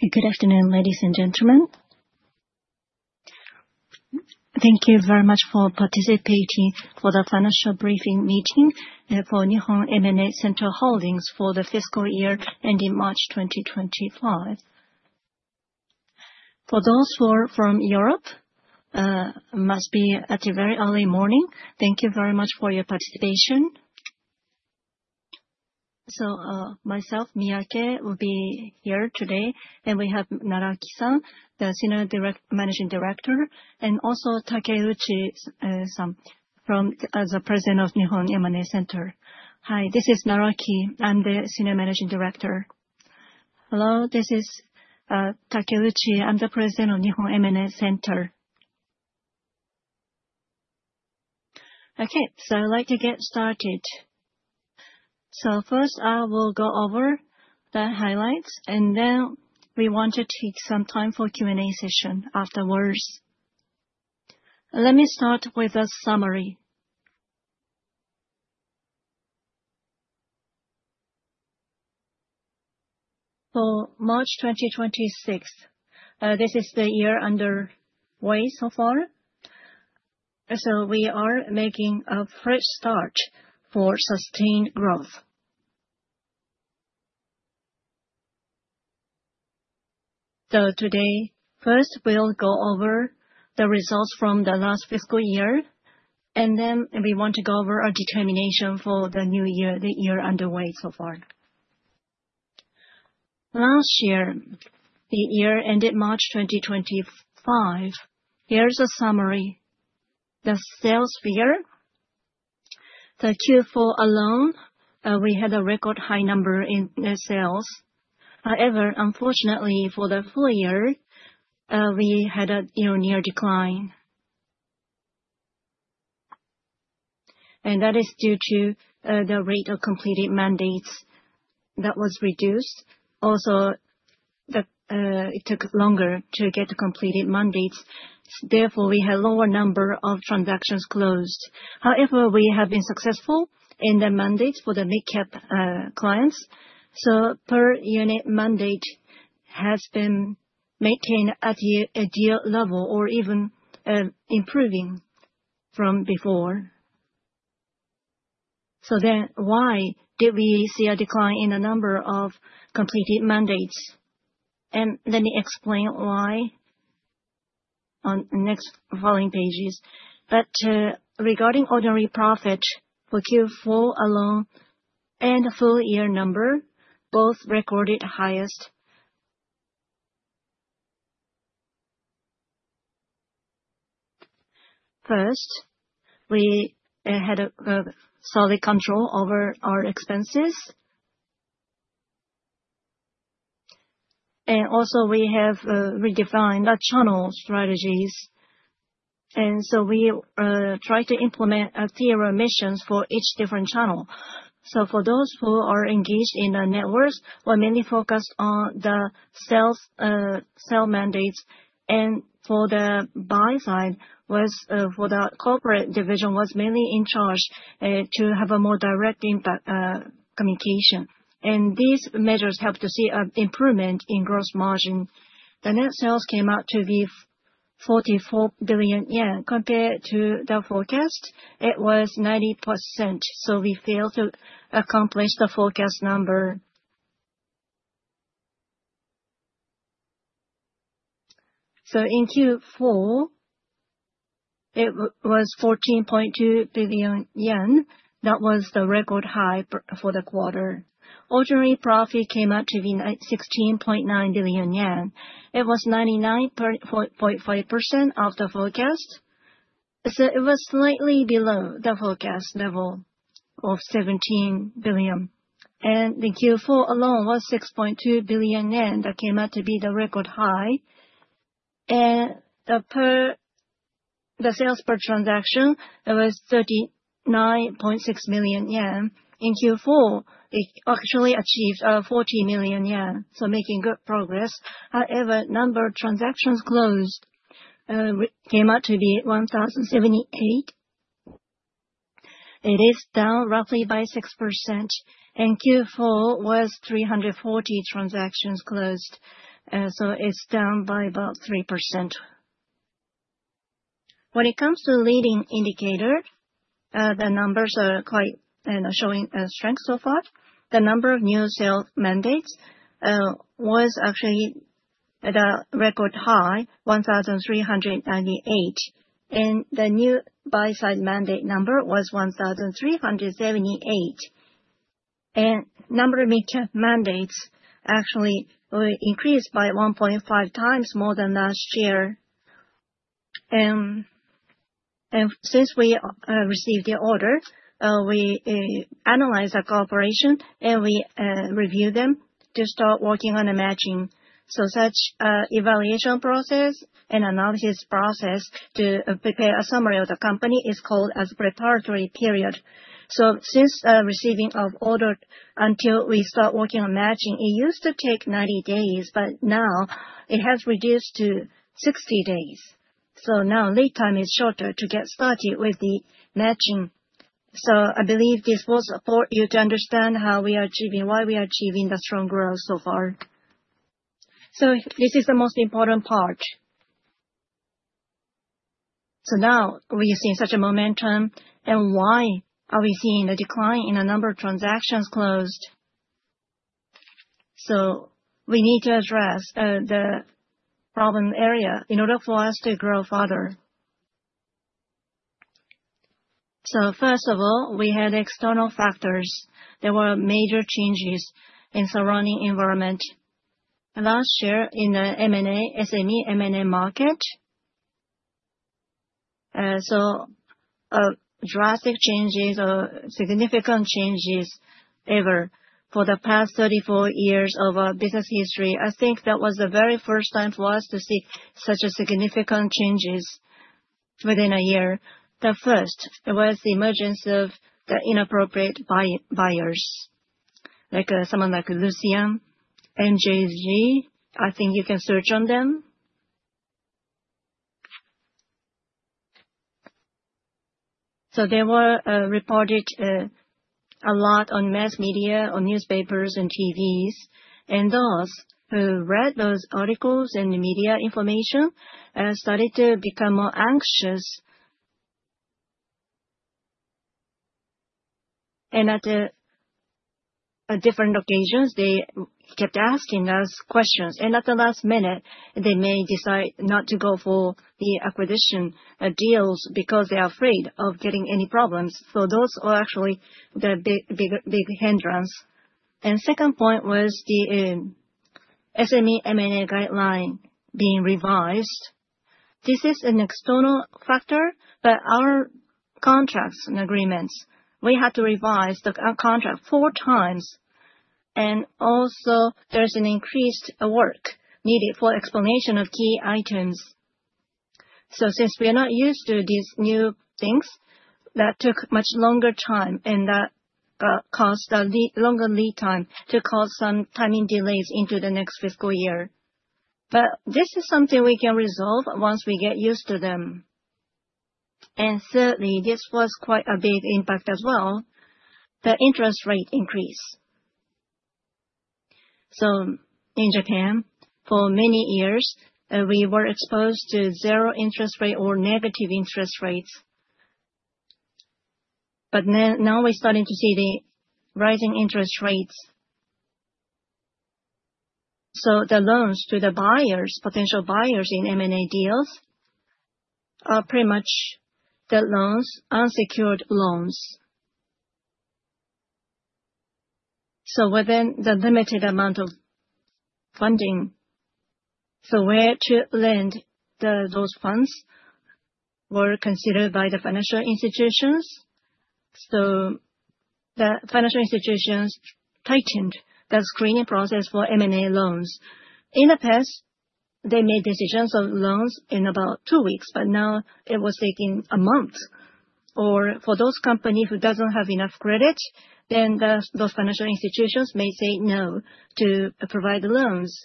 Good afternoon, ladies and gentlemen. Thank you very much for participating for the financial briefing meeting for Nihon M&A Center Holdings for the fiscal year ending March 2025. For those who are from Europe, it must be at the very early morning. Thank you very much for your participation. Myself, Miyake, will be here today, and we have Naraki-san, the Senior Managing Director, and also Takeuchi-san from the President of Nihon M&A Center. Hi, this is Naraki. I'm the Senior Managing Director. Hello, this is Takeuchi. I'm the President of Nihon M&A Center. I would like to get started. First, I will go over the highlights, and then we want to take some time for a Q&A session afterwards. Let me start with a summary. For March 2026, this is the year underway so far. We are making a fresh start for sustained growth. Today, first, we'll go over the results from the last fiscal year, and then we want to go over our determination for the new year, the year underway so far. Last year, the year ended March 2025. Here's a summary. The sales figure, the Q4 alone, we had a record high number in sales. However, unfortunately, for the full year, we had a near decline. That is due to the rate of completed mandates that was reduced. Also, it took longer to get completed mandates. Therefore, we had a lower number of transactions closed. However, we have been successful in the mandates for the mid-cap clients. Per unit mandate has been maintained at a deal level or even improving from before. Why did we see a decline in the number of completed mandates? Let me explain why on the next following pages. Regarding ordinary profit for Q4 alone and full year number, both recorded highest. First, we had a solid control over our expenses. We have redefined our channel strategies. We tried to implement a tiered mission for each different channel. For those who are engaged in the networks, we were mainly focused on the sales mandates. For the buy side, for the corporate division, it was mainly in charge to have a more direct impact communication. These measures helped to see an improvement in gross margin. The net sales came out to be 44 billion yen. Compared to the forecast, it was 90%. We failed to accomplish the forecast number. In Q4, it was 14.2 billion yen. That was the record high for the quarter. Ordinary profit came out to be 16.9 billion yen. It was 99.5% of the forecast. It was slightly below the forecast level of 17 billion. The Q4 alone was 6.2 billion yen that came out to be the record high. The sales per transaction, it was 39.6 million yen. In Q4, it actually achieved 40 million yen, making good progress. However, the number of transactions closed came out to be 1,078. It is down roughly by 6%. Q4 was 340 transactions closed, so it is down by about 3%. When it comes to leading indicator, the numbers are quite showing strength so far. The number of new sales mandates was actually at a record high, 1,398. The new buy-side mandate number was 1,378. The number of mid-cap mandates actually increased by 1.5 times more than last year. Since we received the order, we analyzed the corporation and we reviewed them to start working on a matching. Such evaluation process and analysis process to prepare a summary of the company is called a preparatory period. Since receiving of order until we start working on matching, it used to take 90 days, but now it has reduced to 60 days. Now lead time is shorter to get started with the matching. I believe this was for you to understand how we are achieving, why we are achieving the strong growth so far. This is the most important part. Now we're seeing such a momentum, and why are we seeing a decline in the number of transactions closed? We need to address the problem area in order for us to grow further. First of all, we had external factors. There were major changes in the surrounding environment. Last year in the SME M&A market, so drastic changes or significant changes ever for the past 34 years of our business history. I think that was the very first time for us to see such significant changes within a year. The first was the emergence of the inappropriate buyers, like someone like Lucien, MJG. I think you can search on them. They were reported a lot on mass media, on newspapers and TVs. Those who read those articles and the media information started to become more anxious. At different occasions, they kept asking us questions. At the last minute, they may decide not to go for the acquisition deals because they are afraid of getting any problems. Those are actually the big hindrance. The second point was the SME M&A guideline being revised. This is an external factor, but our contracts and agreements, we had to revise the contract four times. Also, there's an increased work needed for explanation of key items. Since we are not used to these new things, that took much longer time and that caused a longer lead time to cause some timing delays into the next fiscal year. This is something we can resolve once we get used to them. Thirdly, this was quite a big impact as well, the interest rate increase. In Japan, for many years, we were exposed to zero interest rate or negative interest rates. Now we're starting to see the rising interest rates. The loans to the buyers, potential buyers in M&A deals, are pretty much the loans, unsecured loans. Within the limited amount of funding, where to lend those funds were considered by the financial institutions. The financial institutions tightened the screening process for M&A loans. In the past, they made decisions on loans in about two weeks, but now it was taking a month. For those companies who do not have enough credit, those financial institutions may say no to provide the loans.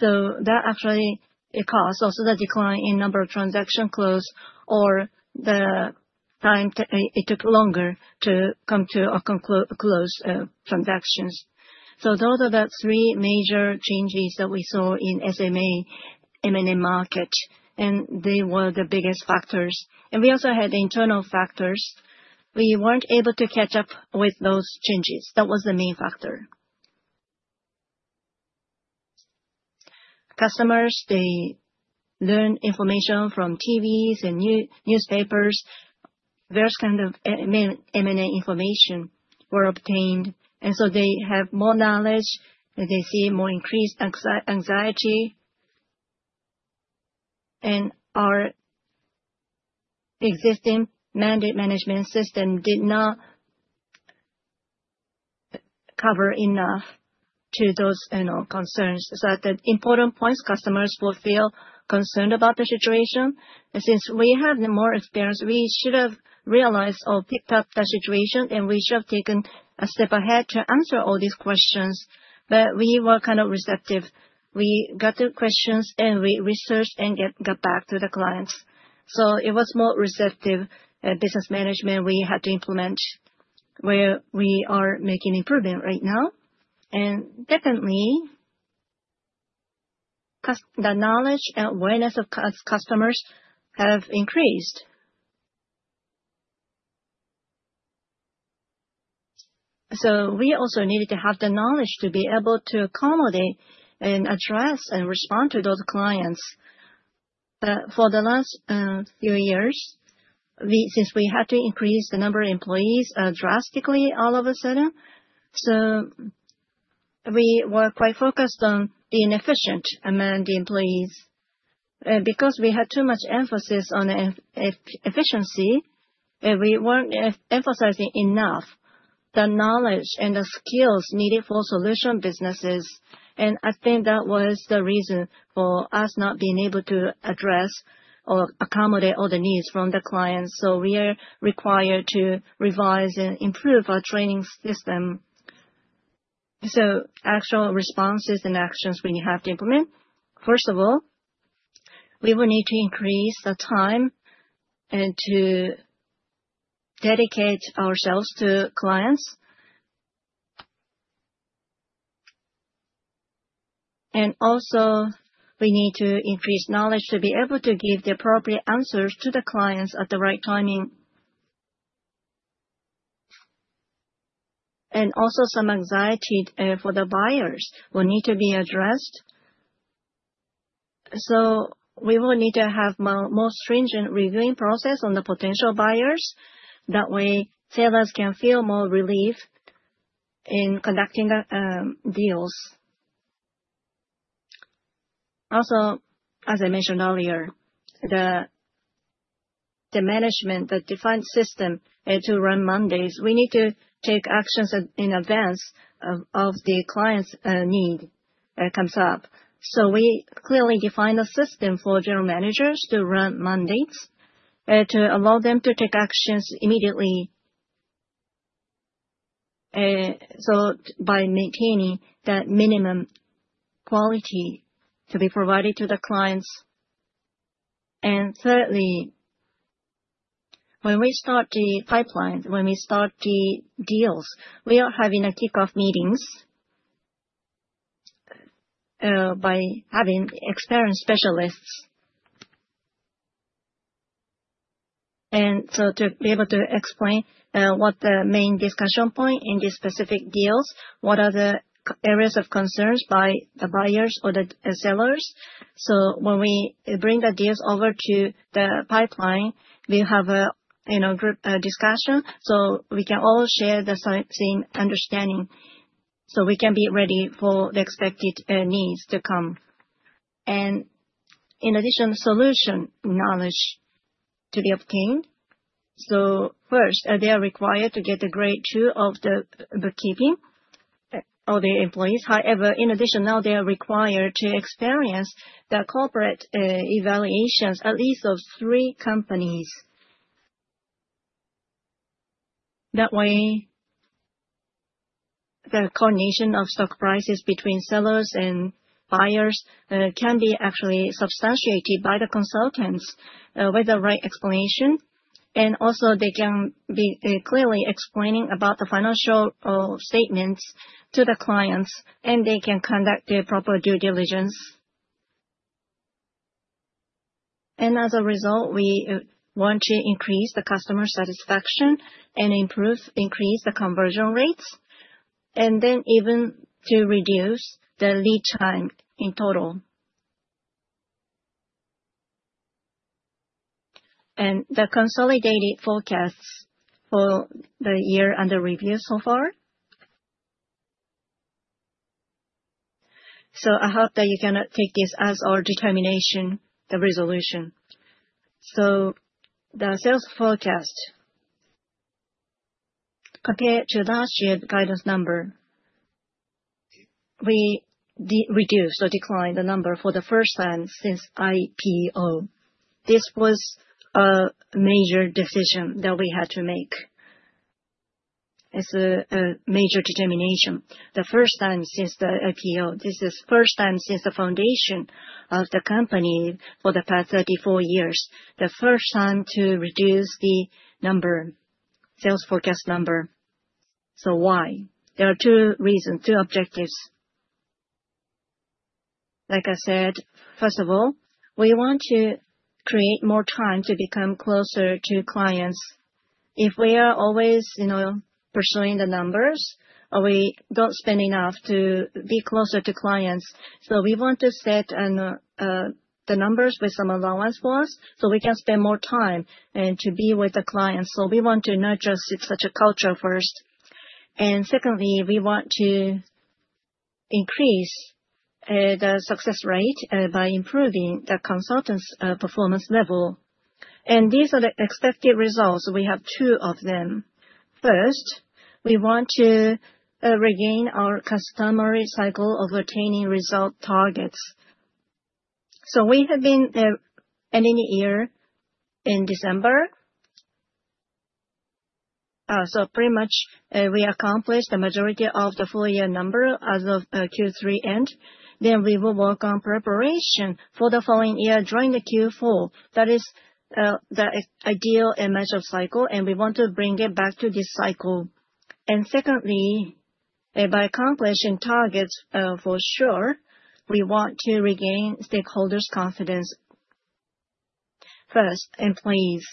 That actually caused also the decline in the number of transactions closed or the time it took longer to come to a closed transaction. Those are the three major changes that we saw in the SME M&A market. They were the biggest factors. We also had internal factors. We were not able to catch up with those changes. That was the main factor. Customers learned information from TVs and newspapers. Various kinds of M&A information were obtained. They have more knowledge. They see more increased anxiety. Our existing mandate management system did not cover enough to those concerns. At the important points, customers will feel concerned about the situation. Since we have more experience, we should have realized or picked up the situation, and we should have taken a step ahead to answer all these questions. We were kind of receptive. We got the questions, and we researched and got back to the clients. It was more receptive business management we had to implement where we are making improvement right now. Definitely, the knowledge and awareness of customers have increased. We also needed to have the knowledge to be able to accommodate and address and respond to those clients. For the last few years, since we had to increase the number of employees drastically all of a sudden, we were quite focused on being efficient among the employees. Because we had too much emphasis on efficiency, we were not emphasizing enough the knowledge and the skills needed for solution businesses. I think that was the reason for us not being able to address or accommodate all the needs from the clients. We are required to revise and improve our training system. Actual responses and actions we have to implement. First of all, we will need to increase the time and to dedicate ourselves to clients. Also, we need to increase knowledge to be able to give the appropriate answers to the clients at the right timing. Some anxiety for the buyers will need to be addressed. We will need to have a more stringent reviewing process on the potential buyers. That way, sellers can feel more relief in conducting deals. Also, as I mentioned earlier, the management, the defined system to run mandates, we need to take actions in advance of the client's need that comes up. We clearly define a system for general managers to run mandates to allow them to take actions immediately, by maintaining that minimum quality to be provided to the clients. Thirdly, when we start the pipelines, when we start the deals, we are having kickoff meetings by having experienced specialists, to be able to explain what the main discussion point in these specific deals is, what are the areas of concerns by the buyers or the sellers. When we bring the deals over to the pipeline, we have a group discussion so we can all share the same understanding. We can be ready for the expected needs to come. In addition, solution knowledge is to be obtained. First, they are required to get a grade two of the bookkeeping of their employees. However, in addition, now they are required to experience the corporate evaluations at least of three companies. That way, the coordination of stock prices between sellers and buyers can be actually substantiated by the consultants with the right explanation. Also, they can be clearly explaining about the financial statements to the clients, and they can conduct their proper due diligence. As a result, we want to increase the customer satisfaction and increase the conversion rates, and then even to reduce the lead time in total. The consolidated forecasts for the year under review so far. I hope that you can take this as our determination, the resolution. The sales forecast compared to last year's guidance number, we reduced or declined the number for the first time since IPO. This was a major decision that we had to make. It's a major determination. The first time since the IPO. This is the first time since the foundation of the company for the past 34 years, the first time to reduce the number, sales forecast number. Why? There are two reasons, two objectives. Like I said, first of all, we want to create more time to become closer to clients. If we are always pursuing the numbers, we don't spend enough to be closer to clients. We want to set the numbers with some allowance for us so we can spend more time and to be with the clients. We want to nurture such a culture first. Secondly, we want to increase the success rate by improving the consultants' performance level. These are the expected results. We have two of them. First, we want to regain our customary cycle of attaining result targets. We have been ending the year in December. Pretty much we accomplished the majority of the full year number as of Q3 end. We will work on preparation for the following year during Q4. That is the ideal and measured cycle, and we want to bring it back to this cycle. Secondly, by accomplishing targets for sure, we want to regain stakeholders' confidence. First, employees.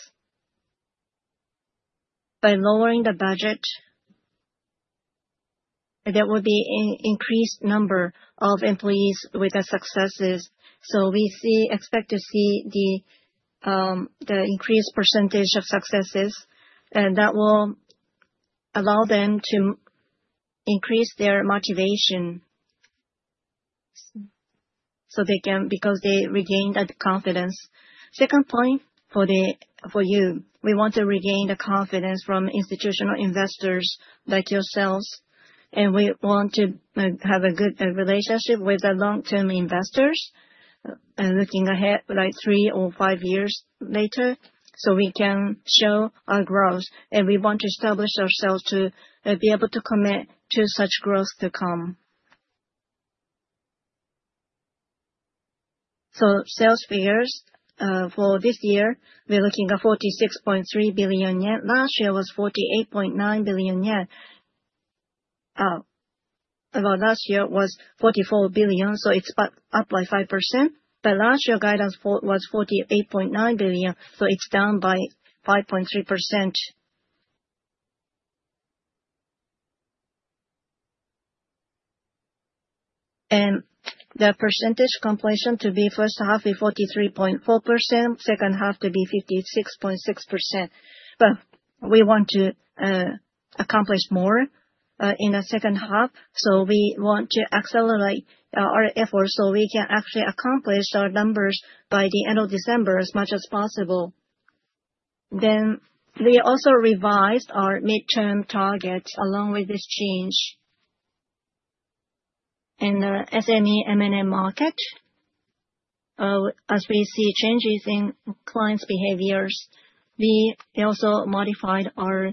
By lowering the budget, there will be an increased number of employees with the successes. We expect to see the increased percentage of successes, and that will allow them to increase their motivation because they regained that confidence. The second point for you, we want to regain the confidence from institutional investors like yourselves. We want to have a good relationship with the long-term investors looking ahead like three or five years later so we can show our growth. We want to establish ourselves to be able to commit to such growth to come. Sales figures for this year, we're looking at 46.3 billion yen. Last year was 48.9 billion yen. Last year was 44 billion, so it's up by 5%. Last year's guidance was 48.9 billion, so it's down by 5.3%. The percentage completion to be first half is 43.4%, second half to be 56.6%. We want to accomplish more in the second half. We want to accelerate our efforts so we can actually accomplish our numbers by the end of December as much as possible. We also revised our midterm targets along with this change. In the SME M&A market, as we see changes in clients' behaviors, we also modified our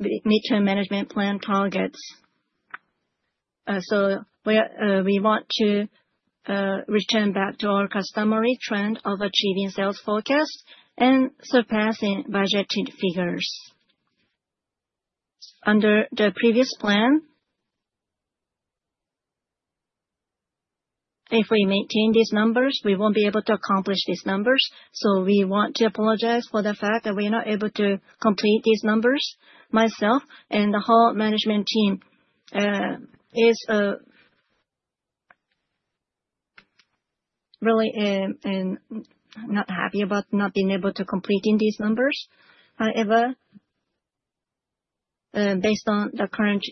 midterm management plan targets. We want to return back to our customary trend of achieving sales forecasts and surpassing budgeted figures. Under the previous plan, if we maintain these numbers, we will not be able to accomplish these numbers. We want to apologize for the fact that we are not able to complete these numbers. Myself and the whole management team are really not happy about not being able to complete these numbers. However, based on the current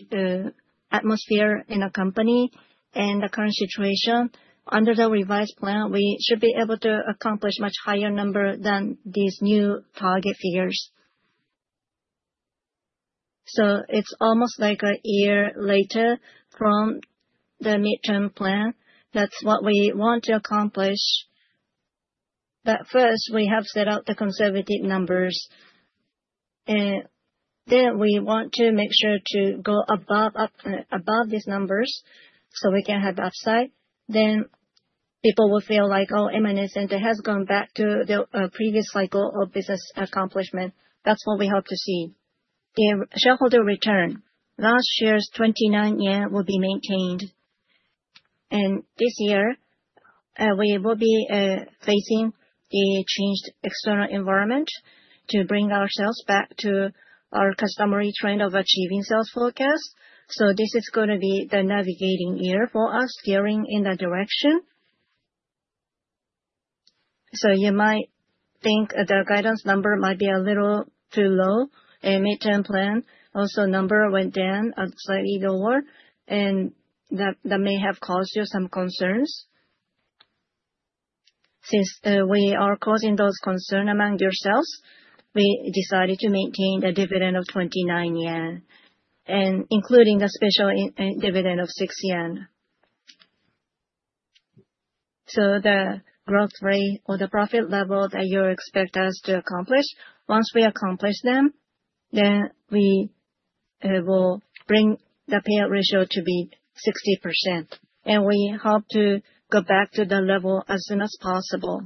atmosphere in the company and the current situation, under the revised plan, we should be able to accomplish a much higher number than these new target figures. It is almost like a year later from the midterm plan. That is what we want to accomplish. First, we have set out the conservative numbers. We want to make sure to go above these numbers so we can have upside. People will feel like, "Oh, Nihon M&A Center has gone back to the previous cycle of business accomplishment." That is what we hope to see. The shareholder return, last year's 29 yen will be maintained. This year, we will be facing the changed external environment to bring ourselves back to our customary trend of achieving sales forecasts. This is going to be the navigating year for us steering in that direction. You might think the guidance number might be a little too low. The midterm plan, also, the number went down slightly lower. That may have caused you some concerns. Since we are causing those concerns among yourselves, we decided to maintain the dividend of 29 yen, including the special dividend of 6 yen. The growth rate or the profit level that you expect us to accomplish, once we accomplish them, then we will bring the payout ratio to be 60%. We hope to go back to that level as soon as possible.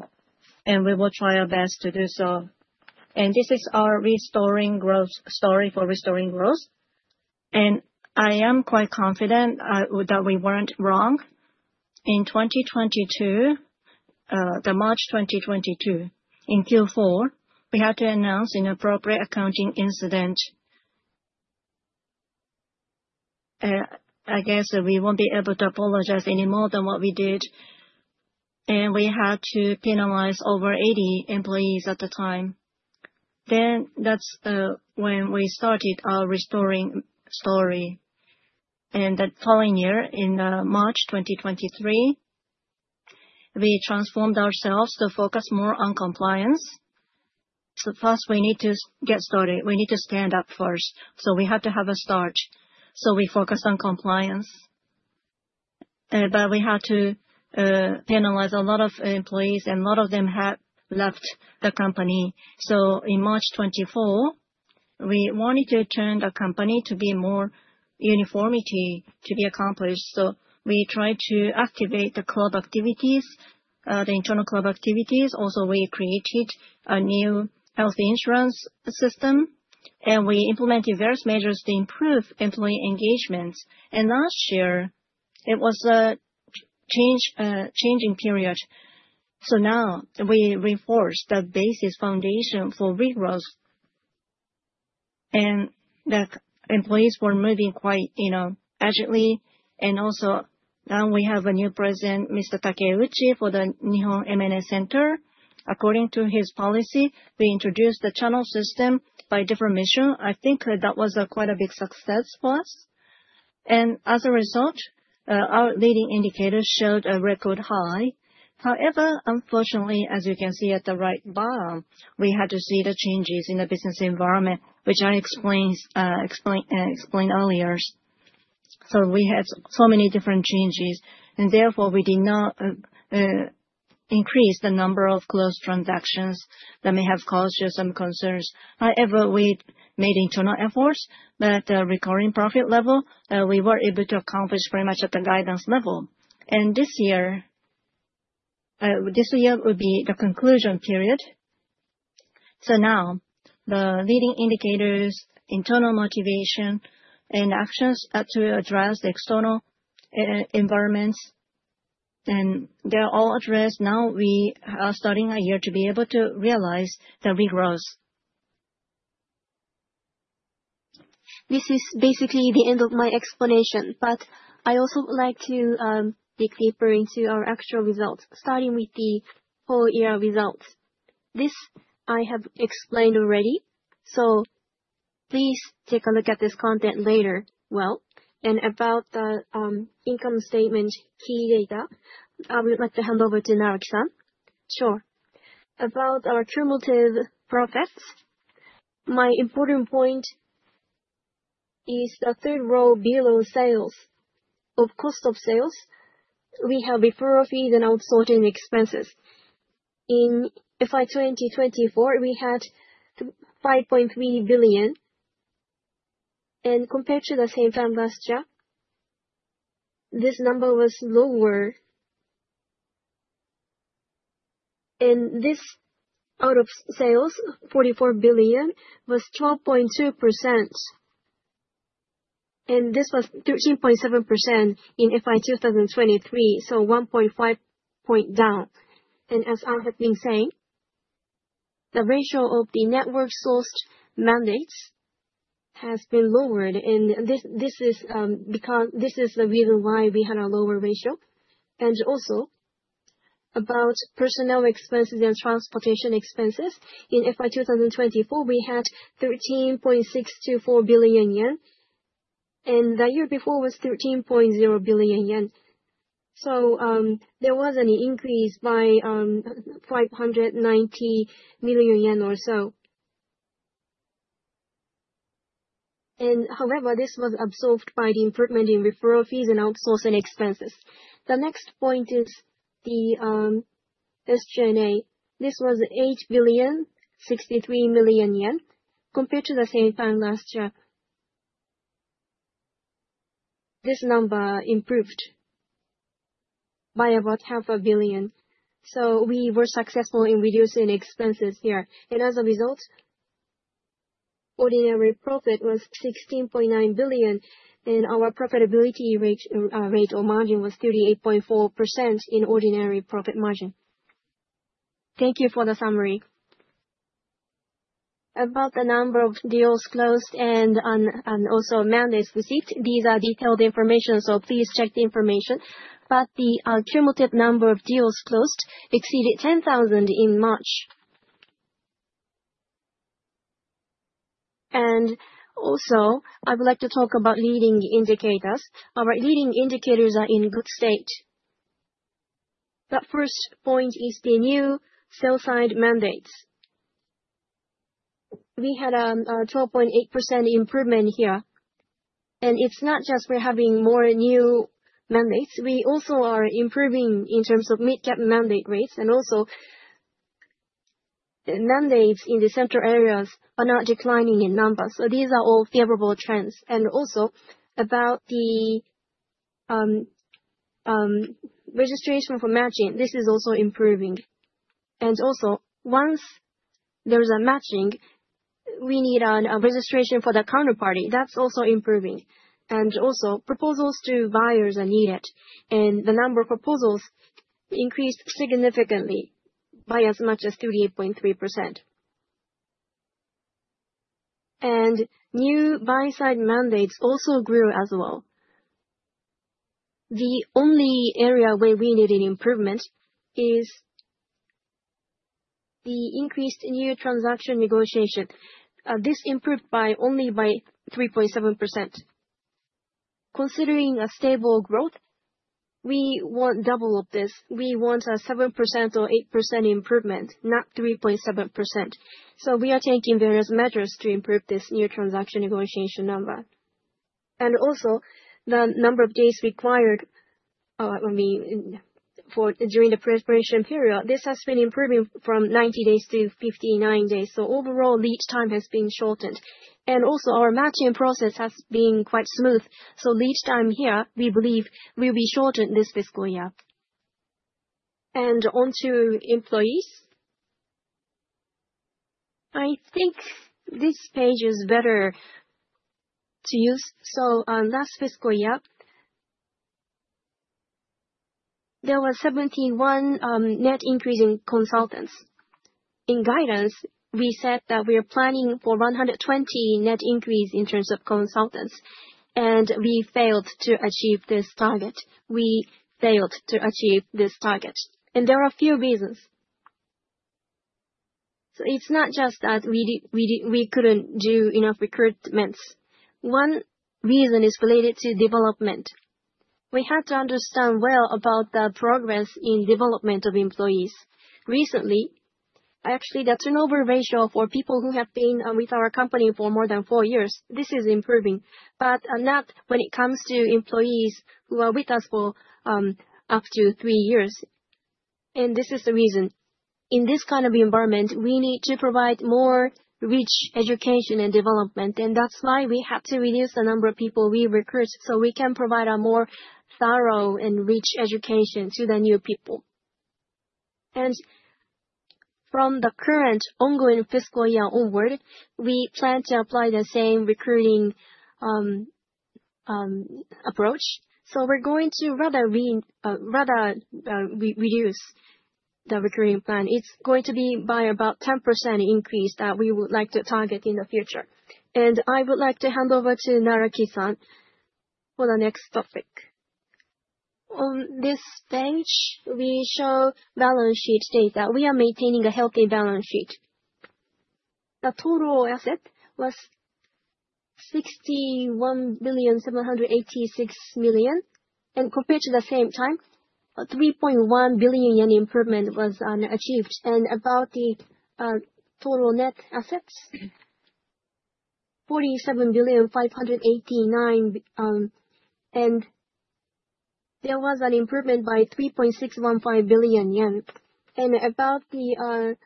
We will try our best to do so. This is our restoring growth story for restoring growth. I am quite confident that we were not wrong. In 2022, March 2022, in Q4, we had to announce an appropriate accounting incident. I guess we won't be able to apologize any more than what we did. We had to penalize over 80 employees at the time. That is when we started our restoring story. The following year, in March 2023, we transformed ourselves to focus more on compliance. First, we need to get started. We need to stand up first. We have to have a start. We focus on compliance. We had to penalize a lot of employees, and a lot of them had left the company. In March 2024, we wanted to turn the company to be more uniformity to be accomplished. We tried to activate the club activities, the internal club activities. We created a new health insurance system. We implemented various measures to improve employee engagement. Last year, it was a changing period. Now we reinforced the basis foundation for regrowth. The employees were moving quite agilely. Also, now we have a new President, Mr. Takeuchi, for the Nihon M&A Center. According to his policy, we introduced the channel system by different mission. I think that was quite a big success for us. As a result, our leading indicators showed a record high. However, unfortunately, as you can see at the right bottom, we had to see the changes in the business environment, which I explained earlier. We had so many different changes. Therefore, we did not increase the number of closed transactions that may have caused you some concerns. However, we made internal efforts. The recurring profit level, we were able to accomplish pretty much at the guidance level. This year would be the conclusion period. Now the leading indicators, internal motivation, and actions to address the external environments, and they're all addressed. Now we are starting a year to be able to realize the regrowth. This is basically the end of my explanation. I also would like to dig deeper into our actual results, starting with the full year results. This I have explained already. Please take a look at this content later. About the income statement key data, I would like to hand over to Naraki-san. Sure. About our cumulative profits, my important point is the third row below sales. Of cost of sales, we have referral fees and outsourcing expenses. In fiscal year 2024, we had 5.3 billion. Compared to the same time last year, this number was lower. This out of sales, 44 billion, was 12.2%. This was 13.7% in fiscal year 2023, so 1.5 percentage points down. As I have been saying, the ratio of the network-sourced mandates has been lowered. This is the reason why we had a lower ratio. Also, about personnel expenses and transportation expenses, in fiscal year 2024, we had 13.624 billion yen. The year before was 13.0 billion yen. There was an increase by 590 million yen or so. However, this was absorbed by the improvement in referral fees and outsourcing expenses. The next point is the SG&A. This was 8,063 million yen. Compared to the same time last year, this number improved by about half a billion. We were successful in reducing expenses here. As a result, ordinary profit was 16.9 billion. Our profitability rate or margin was 38.4% in ordinary profit margin. Thank you for the summary. About the number of deals closed and also mandates received, these are detailed information. Please check the information. The cumulative number of deals closed exceeded 10,000 in March. I would like to talk about leading indicators. Our leading indicators are in good state. The first point is the new sell-side mandates. We had a 12.8% improvement here. It is not just we are having more new mandates. We also are improving in terms of mid-cap mandate rates. Mandates in the central areas are not declining in numbers. These are all favorable trends. About the registration for matching, this is also improving. Once there is a matching, we need a registration for the counterparty. That is also improving. Proposals to buyers are needed. The number of proposals increased significantly by as much as 38.3%. New buy-side mandates also grew as well. The only area where we needed improvement is the increased new transaction negotiation. This improved by only 3.7%. Considering a stable growth, we will not double up this. We want a 7% or 8% improvement, not 3.7%. We are taking various measures to improve this new transaction negotiation number. Also, the number of days required during the preparation period has been improving from 90 days to 59 days. Overall, lead time has been shortened. Also, our matching process has been quite smooth. Lead time here, we believe, will be shortened this fiscal year. Onto employees, I think this page is better to use. Last fiscal year, there were 71 net increase in consultants. In guidance, we said that we are planning for 120 net increase in terms of consultants. We failed to achieve this target. We failed to achieve this target. There are a few reasons. It is not just that we could not do enough recruitments. One reason is related to development. We had to understand well about the progress in development of employees. Recently, actually, the turnover ratio for people who have been with our company for more than four years, this is improving. Not when it comes to employees who are with us for up to three years. This is the reason. In this kind of environment, we need to provide more rich education and development. That is why we had to reduce the number of people we recruit so we can provide a more thorough and rich education to the new people. From the current ongoing fiscal year onward, we plan to apply the same recruiting approach. We're going to rather reduce the recruiting plan. It's going to be by about a 10% increase that we would like to target in the future. I would like to hand over to Naraki-san for the next topic. On this page, we show balance sheet states that we are maintaining a healthy balance sheet. The total asset was 61,786 million. Compared to the same time, a 3.1 billion yen improvement was achieved. About the total net assets, 47,589 million. There was an improvement by 3.615 billion yen. About the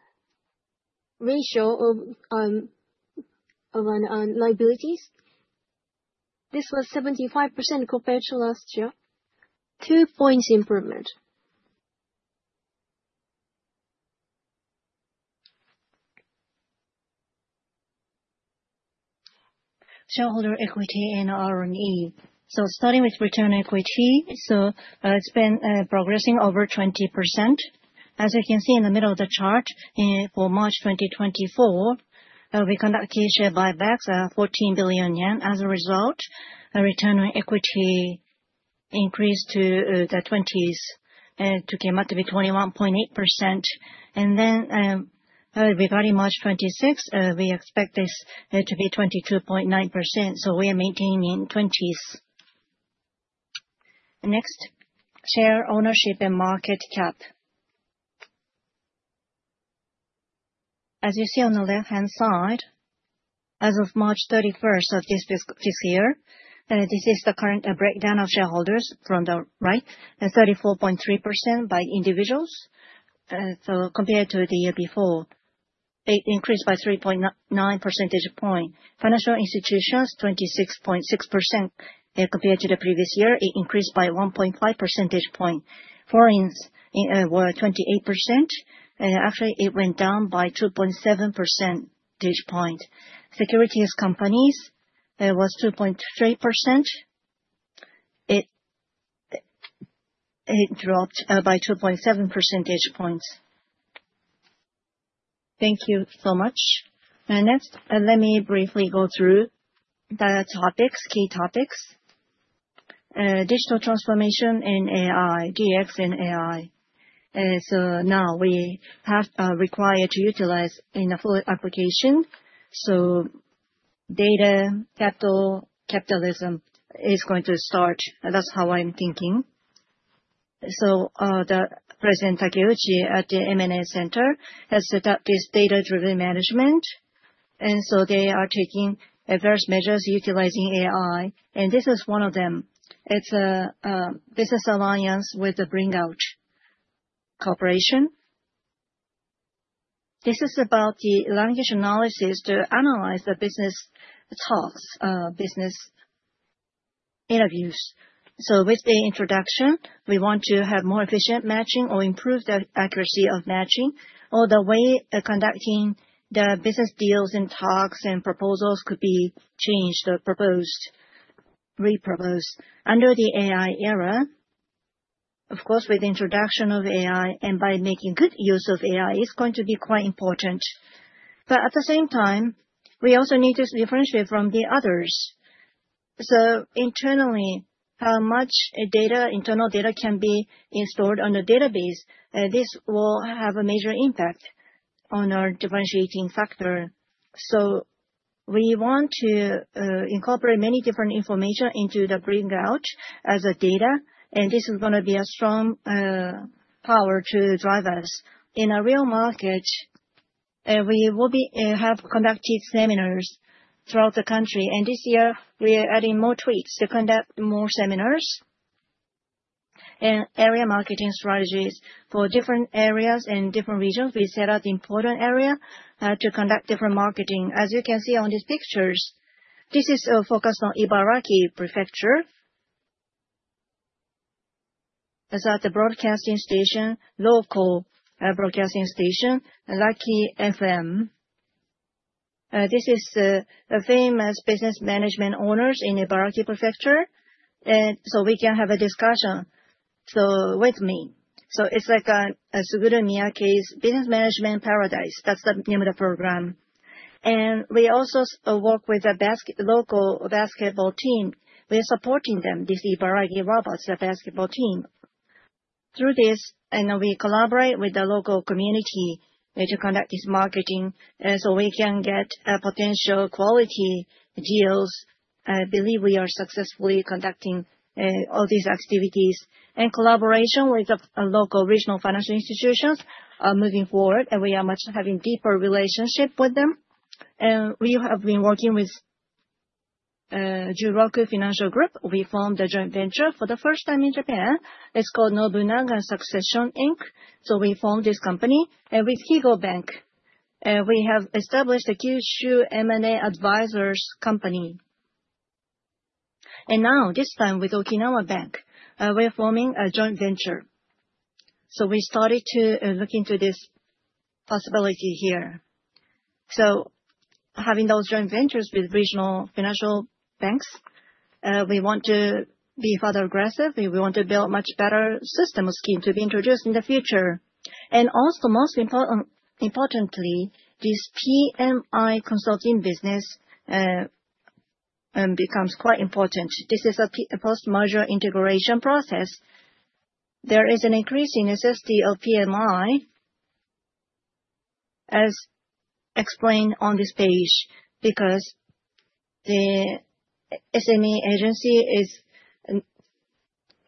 ratio of liabilities, this was 75% compared to last year, two points improvement. Shareholder equity and R&E. Starting with return equity, it's been progressing over 20%. As you can see in the middle of the chart for March 2024, we conducted share buybacks, 14 billion yen. As a result, return equity increased to the 20s and came up to be 21.8%. Regarding March 26, we expect this to be 22.9%. We are maintaining 20s. Next, share ownership and market cap. As you see on the left-hand side, as of March 31 of this year, this is the current breakdown of shareholders. From the right, 34.3% by individuals. Compared to the year before, it increased by 3.9 percentage points. Financial institutions, 26.6% compared to the previous year. It increased by 1.5 percentage points. Foreigns were 28%. Actually, it went down by 2.7 percentage points. Securities companies was 2.3%. It dropped by 2.7 percentage points. Thank you so much. Next, let me briefly go through the topics, key topics. Digital transformation and AI, DX and AI. We have required to utilize in a full application. Data, capital, capitalism is going to start. That's how I'm thinking. The President, Takeuchi at the M&A Center, has set up this data-driven management. They are taking adverse measures utilizing AI. This is one of them. It's a business alliance with Bring Out Corporation. This is about the language analysis to analyze the business talks, business interviews. With the introduction, we want to have more efficient matching or improve the accuracy of matching. The way conducting the business deals and talks and proposals could be changed or proposed, reproposed. Under the AI era, of course, with the introduction of AI and by making good use of AI, it's going to be quite important. At the same time, we also need to differentiate from the others. Internally, how much data, internal data can be stored on the database, this will have a major impact on our differentiating factor. We want to incorporate many different information into the Bring Out as a data. This is going to be a strong power to drive us. In a real market, we will have conducted seminars throughout the country. This year, we are adding more tweaks to conduct more seminars and area marketing strategies for different areas and different regions. We set out the important area to conduct different marketing. As you can see on these pictures, this is focused on Ibaraki Prefecture. That is at the broadcasting station, local broadcasting station, Lucky FM. This is the famous business management owners in Ibaraki Prefecture. We can have a discussion with me. It is like a Suguru Miyake's business management paradise. That's the name of the program. We also work with the local basketball team. We are supporting them, these Ibaraki Robots, the basketball team. Through this, we collaborate with the local community to conduct this marketing so we can get potential quality deals. I believe we are successfully conducting all these activities. Collaboration with local regional financial institutions is moving forward. We are much having a deeper relationship with them. We have been working with Juroku Financial Group. We formed a joint venture for the first time in Japan. It's called Nobunaga Succession Inc. We formed this company. With Higo Bank, we have established a Kyushu M&A Advisors company. Now, this time with Okinawa Bank, we're forming a joint venture. We started to look into this possibility here. Having those joint ventures with regional financial banks, we want to be further aggressive. We want to build a much better system or scheme to be introduced in the future. Also, most importantly, this PMI Consulting business becomes quite important. This is a post-merger integration process. There is an increasing necessity of PMI, as explained on this page, because the SME agency is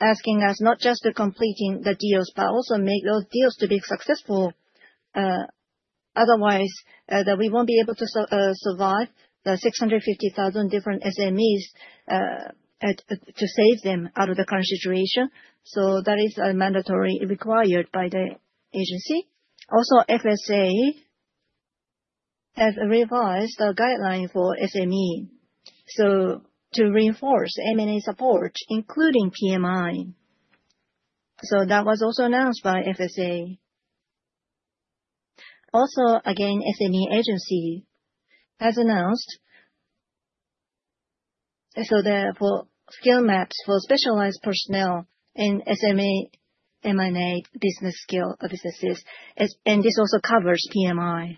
asking us not just to complete the deals, but also make those deals to be successful. Otherwise, we will not be able to survive the 650,000 different SMEs to save them out of the current situation. That is mandatory, required by the agency. Also, FSA has revised the guideline for SME to reinforce M&A support, including PMI. That was also announced by FSA. Also, again, the SME agency has announced skill maps for specialized personnel in SME M&A business skill businesses. This also covers PMI.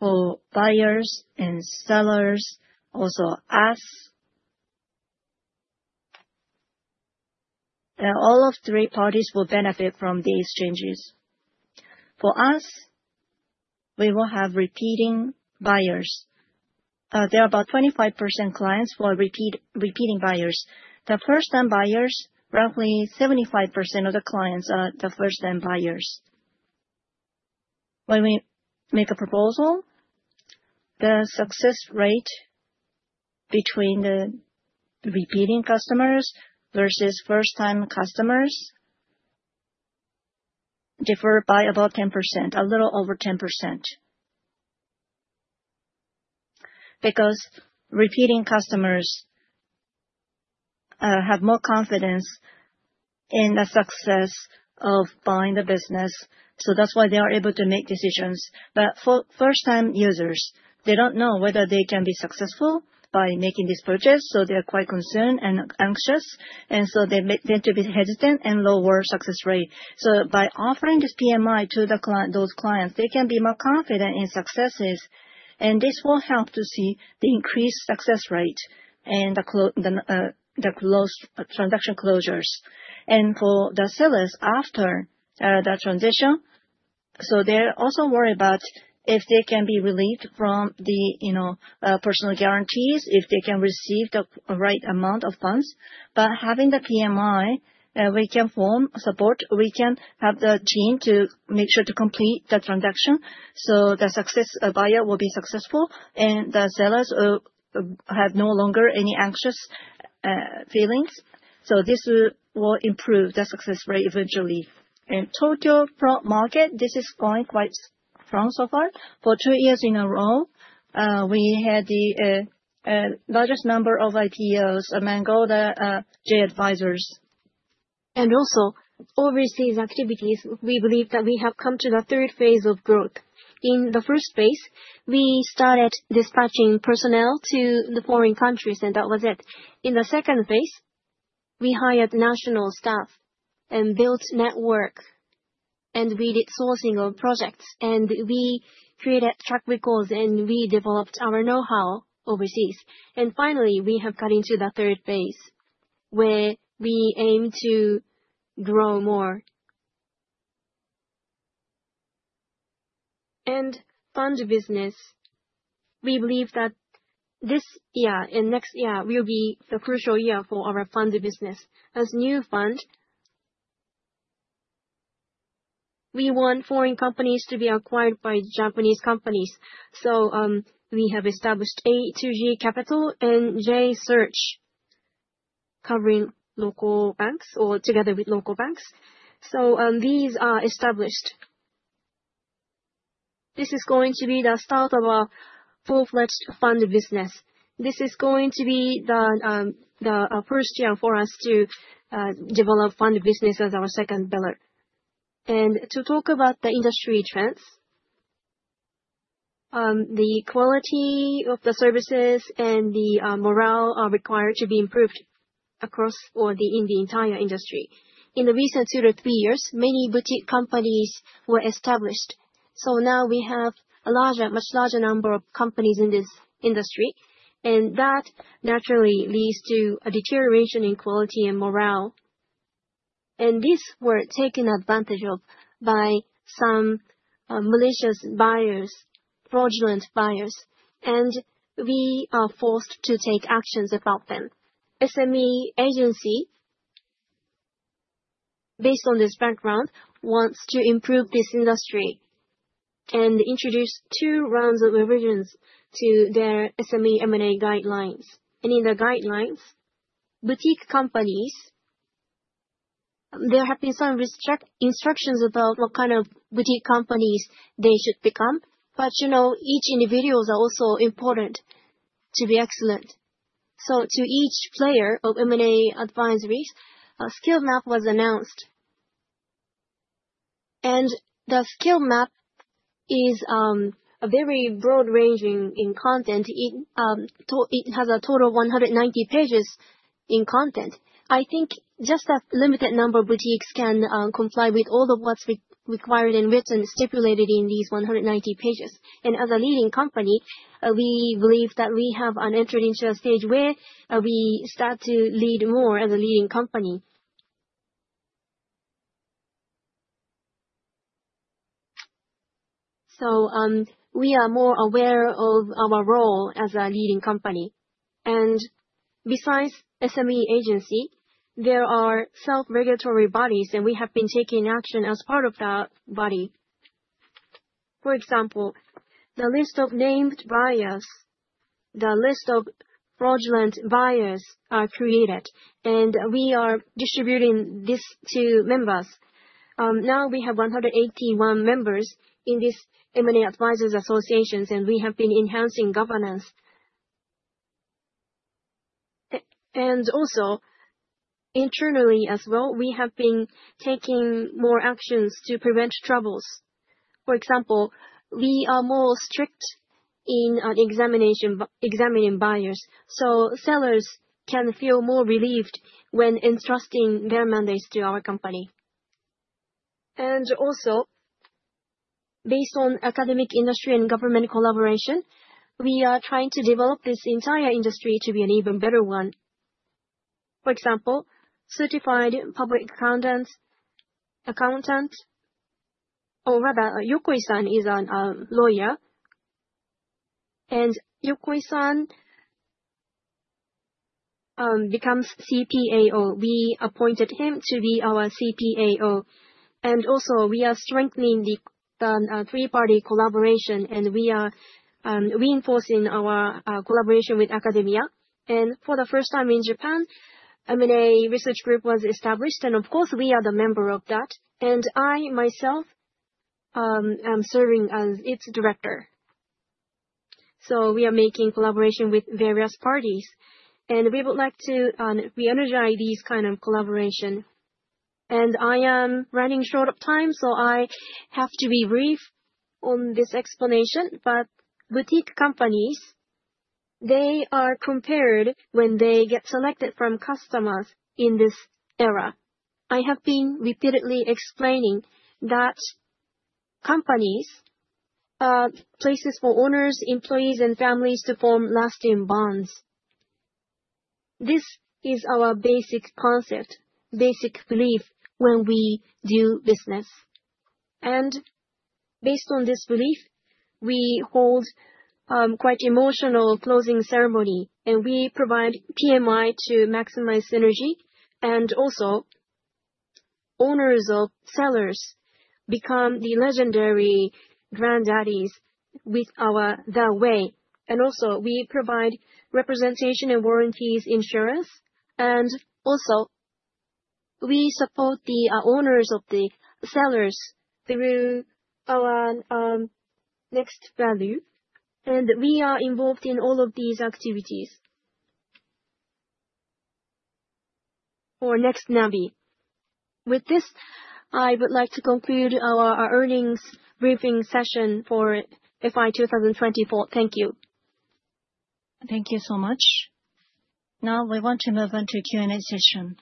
For buyers and sellers, also us. All three parties will benefit from these changes. For us, we will have repeating buyers. There are about 25% clients who are repeating buyers. The first-time buyers, roughly 75% of the clients are the first-time buyers. When we make a proposal, the success rate between the repeating customers versus first-time customers differs by about 10%, a little over 10%. Because repeating customers have more confidence in the success of buying the business. That is why they are able to make decisions. For first-time users, they do not know whether they can be successful by making this purchase. They are quite concerned and anxious. They tend to be hesitant and have a lower success rate. By offering this PMI to those clients, they can be more confident in successes. This will help to see the increased success rate and the closed transaction closures. For the sellers after the transition, they are also worried about if they can be relieved from the personal guarantees, if they can receive the right amount of funds. Having the PMI, we can form support. We can have the team to make sure to complete the transaction. The success buyer will be successful. The sellers have no longer any anxious feelings. This will improve the success rate eventually. In Tokyo market, this is going quite strong so far. For two years in a row, we had the largest number of IPOs, Mangolder, Jay Advisors. Also, overseas activities, we believe that we have come to the third phase of growth. In the first phase, we started dispatching personnel to the foreign countries, and that was it. In the second phase, we hired national staff and built network. We did sourcing of projects. We created track records, and we developed our know-how overseas. Finally, we have got into the third phase where we aim to grow more. Fund business. We believe that this year and next year will be the crucial year for our fund business. As new fund, we want foreign companies to be acquired by Japanese companies. We have established A2G Capital and Jay Search, covering local banks or together with local banks. These are established. This is going to be the start of a full-fledged fund business. This is going to be the first year for us to develop fund business as our second pillar. To talk about the industry trends, the quality of the services and the morale are required to be improved across or in the entire industry. In the recent two to three years, many boutique companies were established. Now we have a much larger number of companies in this industry. That naturally leads to a deterioration in quality and morale. These were taken advantage of by some malicious buyers, fraudulent buyers. We are forced to take actions about them. SME agency, based on this background, wants to improve this industry and introduce two rounds of revisions to their SME M&A guidelines. In the guidelines, boutique companies, there have been some instructions about what kind of boutique companies they should become. You know, each individual is also important to be excellent. To each player of M&A advisories, a skill map was announced. The skill map is very broad-ranging in content. It has a total of 190 pages in content. I think just a limited number of boutiques can comply with all of what is required and written and stipulated in these 190 pages. As a leading company, we believe that we have entered into a stage where we start to lead more as a leading company. We are more aware of our role as a leading company. Besides SME agency, there are self-regulatory bodies, and we have been taking action as part of that body. For example, the list of named buyers, the list of fraudulent buyers are created. We are distributing these to members. Now we have 181 members in these M&A advisors associations, and we have been enhancing governance. Also, internally as well, we have been taking more actions to prevent troubles. For example, we are more strict in examining buyers. Sellers can feel more relieved when entrusting their mandates to our company. Also, based on academic, industry, and government collaboration, we are trying to develop this entire industry to be an even better one. For example, certified public accountant, or rather, Yoko Isan is a lawyer. Yoko Isan becomes CPAO. We appointed him to be our CPAO. Also, we are strengthening the three-party collaboration, and we are reinforcing our collaboration with academia. For the first time in Japan, M&A Research Group was established. Of course, we are the member of that. I myself am serving as its director. We are making collaboration with various parties. We would like to reenergize these kinds of collaboration. I am running short of time, so I have to be brief on this explanation. Boutique companies, they are compared when they get selected from customers in this era. I have been repeatedly explaining that companies are places for owners, employees, and families to form lasting bonds. This is our basic concept, basic belief when we do business. Based on this belief, we hold quite an emotional closing ceremony. We provide PMI to maximize synergy. Also, owners of sellers become the legendary granddaddies with our way. We provide representation and warranties insurance. We support the owners of the sellers through our Next Value. We are involved in all of these activities for Next Navi. With this, I would like to conclude our earnings briefing session for fiscal year 2024.Thank you. Thank you so much. Now, we want to move on to the Q&A session.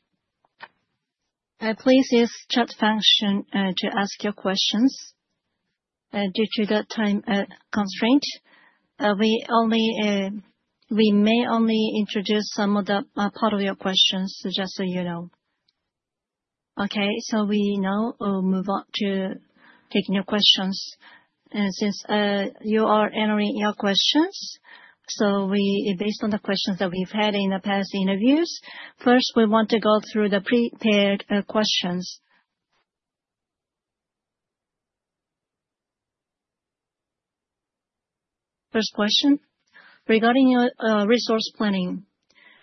Please use the chat function to ask your questions. Due to the time constraint, we may only introduce some of the part of your questions, just so you know. Okay, we now will move on to taking your questions. Since you are entering your questions, based on the questions that we've had in the past interviews, first, we want to go through the prepared questions. First question, regarding your resource planning.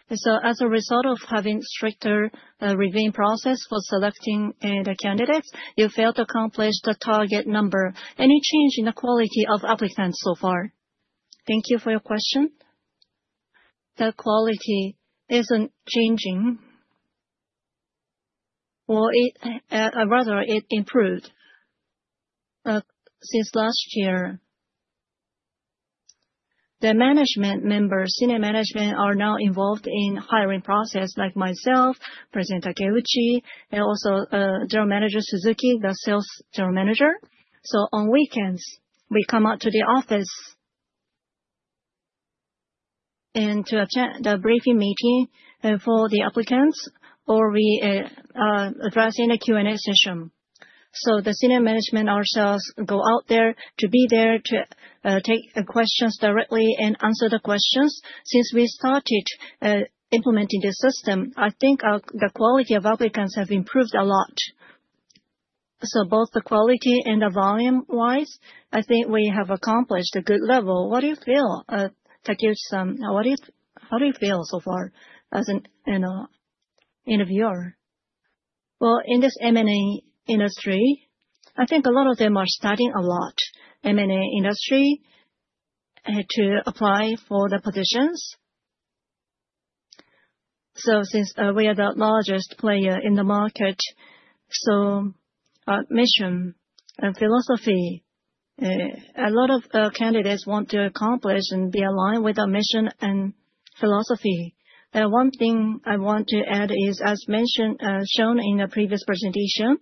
As a result of having a stricter reviewing process for selecting the candidates, you failed to accomplish the target number. Any change in the quality of applicants so far? Thank you for your question. The quality isn't changing. Or rather, it improved since last year. The management members, senior management, are now involved in the hiring process, like myself, President Takeuchi, and also General Manager Suzuki, the Sales General Manager. On weekends, we come out to the office and attend the briefing meeting for the applicants, or we are addressing the Q&A session. The senior management ourselves go out there to be there to take questions directly and answer the questions. Since we started implementing this system, I think the quality of applicants has improved a lot. Both the quality and the volume-wise, I think we have accomplished a good level. What do you feel, Takeuchi-san? How do you feel so far as an interviewer? In this M&A industry, I think a lot of them are studying a lot, M&A industry, to apply for the positions. Since we are the largest player in the market, our mission and philosophy, a lot of candidates want to accomplish and be aligned with our mission and philosophy. One thing I want to add is, as mentioned, shown in the previous presentation,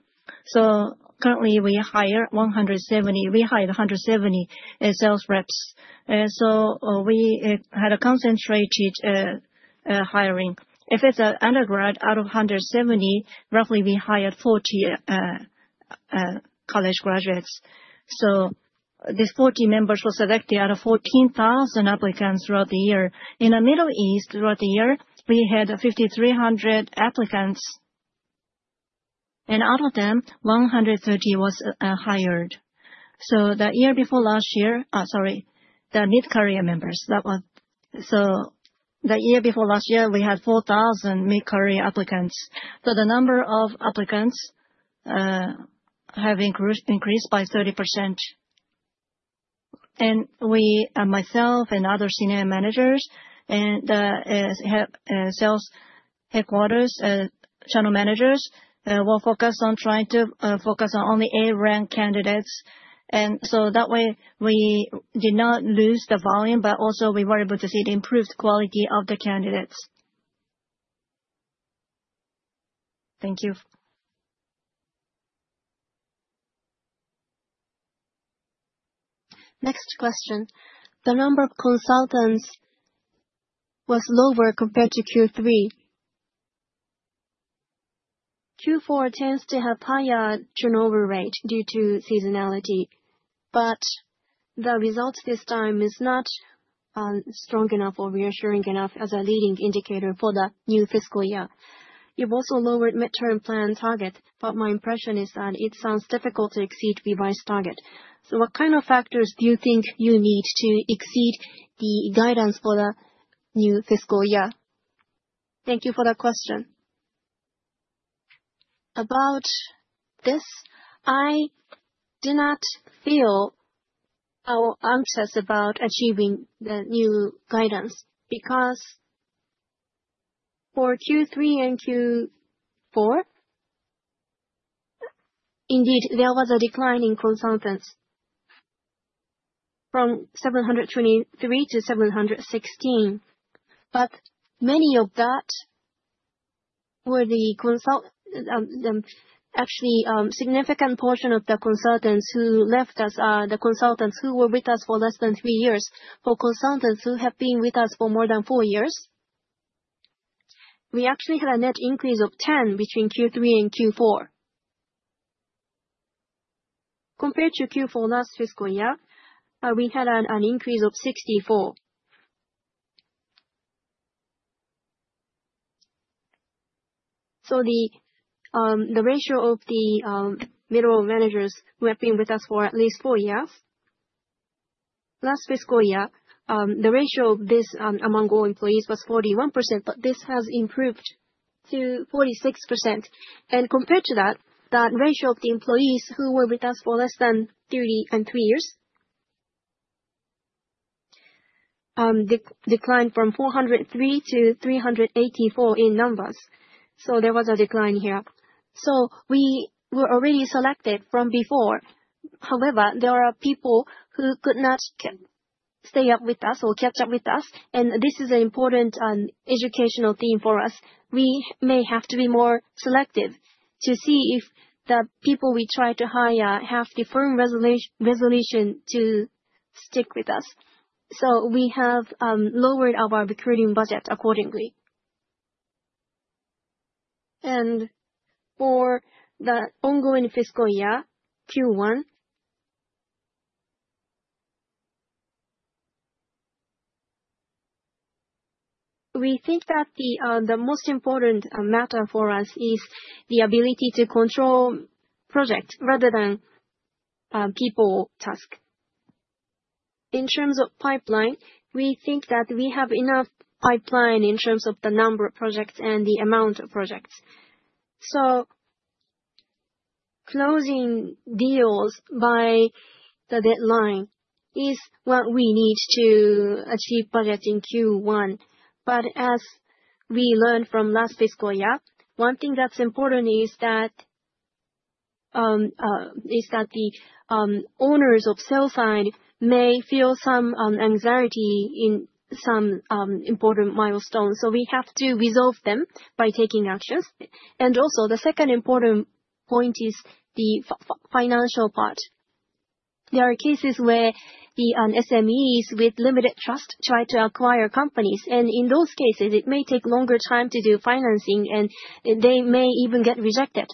currently, we hire 170, we hired 170 sales reps. We had a concentrated hiring. If it is an undergrad, out of 170, roughly, we hired 40 college graduates. These 40 members were selected out of 14,000 applicants throughout the year. In the Middle East, throughout the year, we had 5,300 applicants, and out of them, 130 were hired. The year before last year, sorry, the mid-career members. The year before last year, we had 4,000 mid-career applicants. The number of applicants has increased by 30%. Myself and other senior managers and Sales Headquarters General Managers will focus on trying to focus on only A-ranked candidates. That way, we did not lose the volume, but also we were able to see the improved quality of the candidates. Thank you. Next question. The number of consultants was lower compared to Q3. Q4 tends to have a higher turnover rate due to seasonality. The result this time is not strong enough or reassuring enough as a leading indicator for the new fiscal year. You have also lowered midterm plan target, but my impression is that it sounds difficult to exceed revised target. What kind of factors do you think you need to exceed the guidance for the new fiscal year? Thank you for the question. About this, I do not feel anxious about achieving the new guidance because for Q3 and Q4, indeed, there was a decline in consultants from 723 to 716. Many of that were actually a significant portion of the consultants who left us, the consultants who were with us for less than three years. For consultants who have been with us for more than four years, we actually had a net increase of 10 between Q3 and Q4. Compared to Q4 last fiscal year, we had an increase of 64. The ratio of the middle managers who have been with us for at least four years last fiscal year, the ratio of these among all employees was 41%, but this has improved to 46%. Compared to that, the ratio of the employees who were with us for less than three years declined from 403 to 384 in numbers. There was a decline here. We were already selected from before. However, there are people who could not stay up with us or catch up with us. This is an important educational theme for us. We may have to be more selective to see if the people we try to hire have the firm resolution to stick with us. We have lowered our recruiting budget accordingly. For the ongoing fiscal year, Q1, we think that the most important matter for us is the ability to control projects rather than people task. In terms of pipeline, we think that we have enough pipeline in terms of the number of projects and the amount of projects. Closing deals by the deadline is what we need to achieve budget in Q1. As we learned from last fiscal year, one thing that's important is that the owners of sales side may feel some anxiety in some important milestones. We have to resolve them by taking actions. Also, the second important point is the financial part. There are cases where the SMEs with limited trust try to acquire companies. In those cases, it may take a longer time to do financing, and they may even get rejected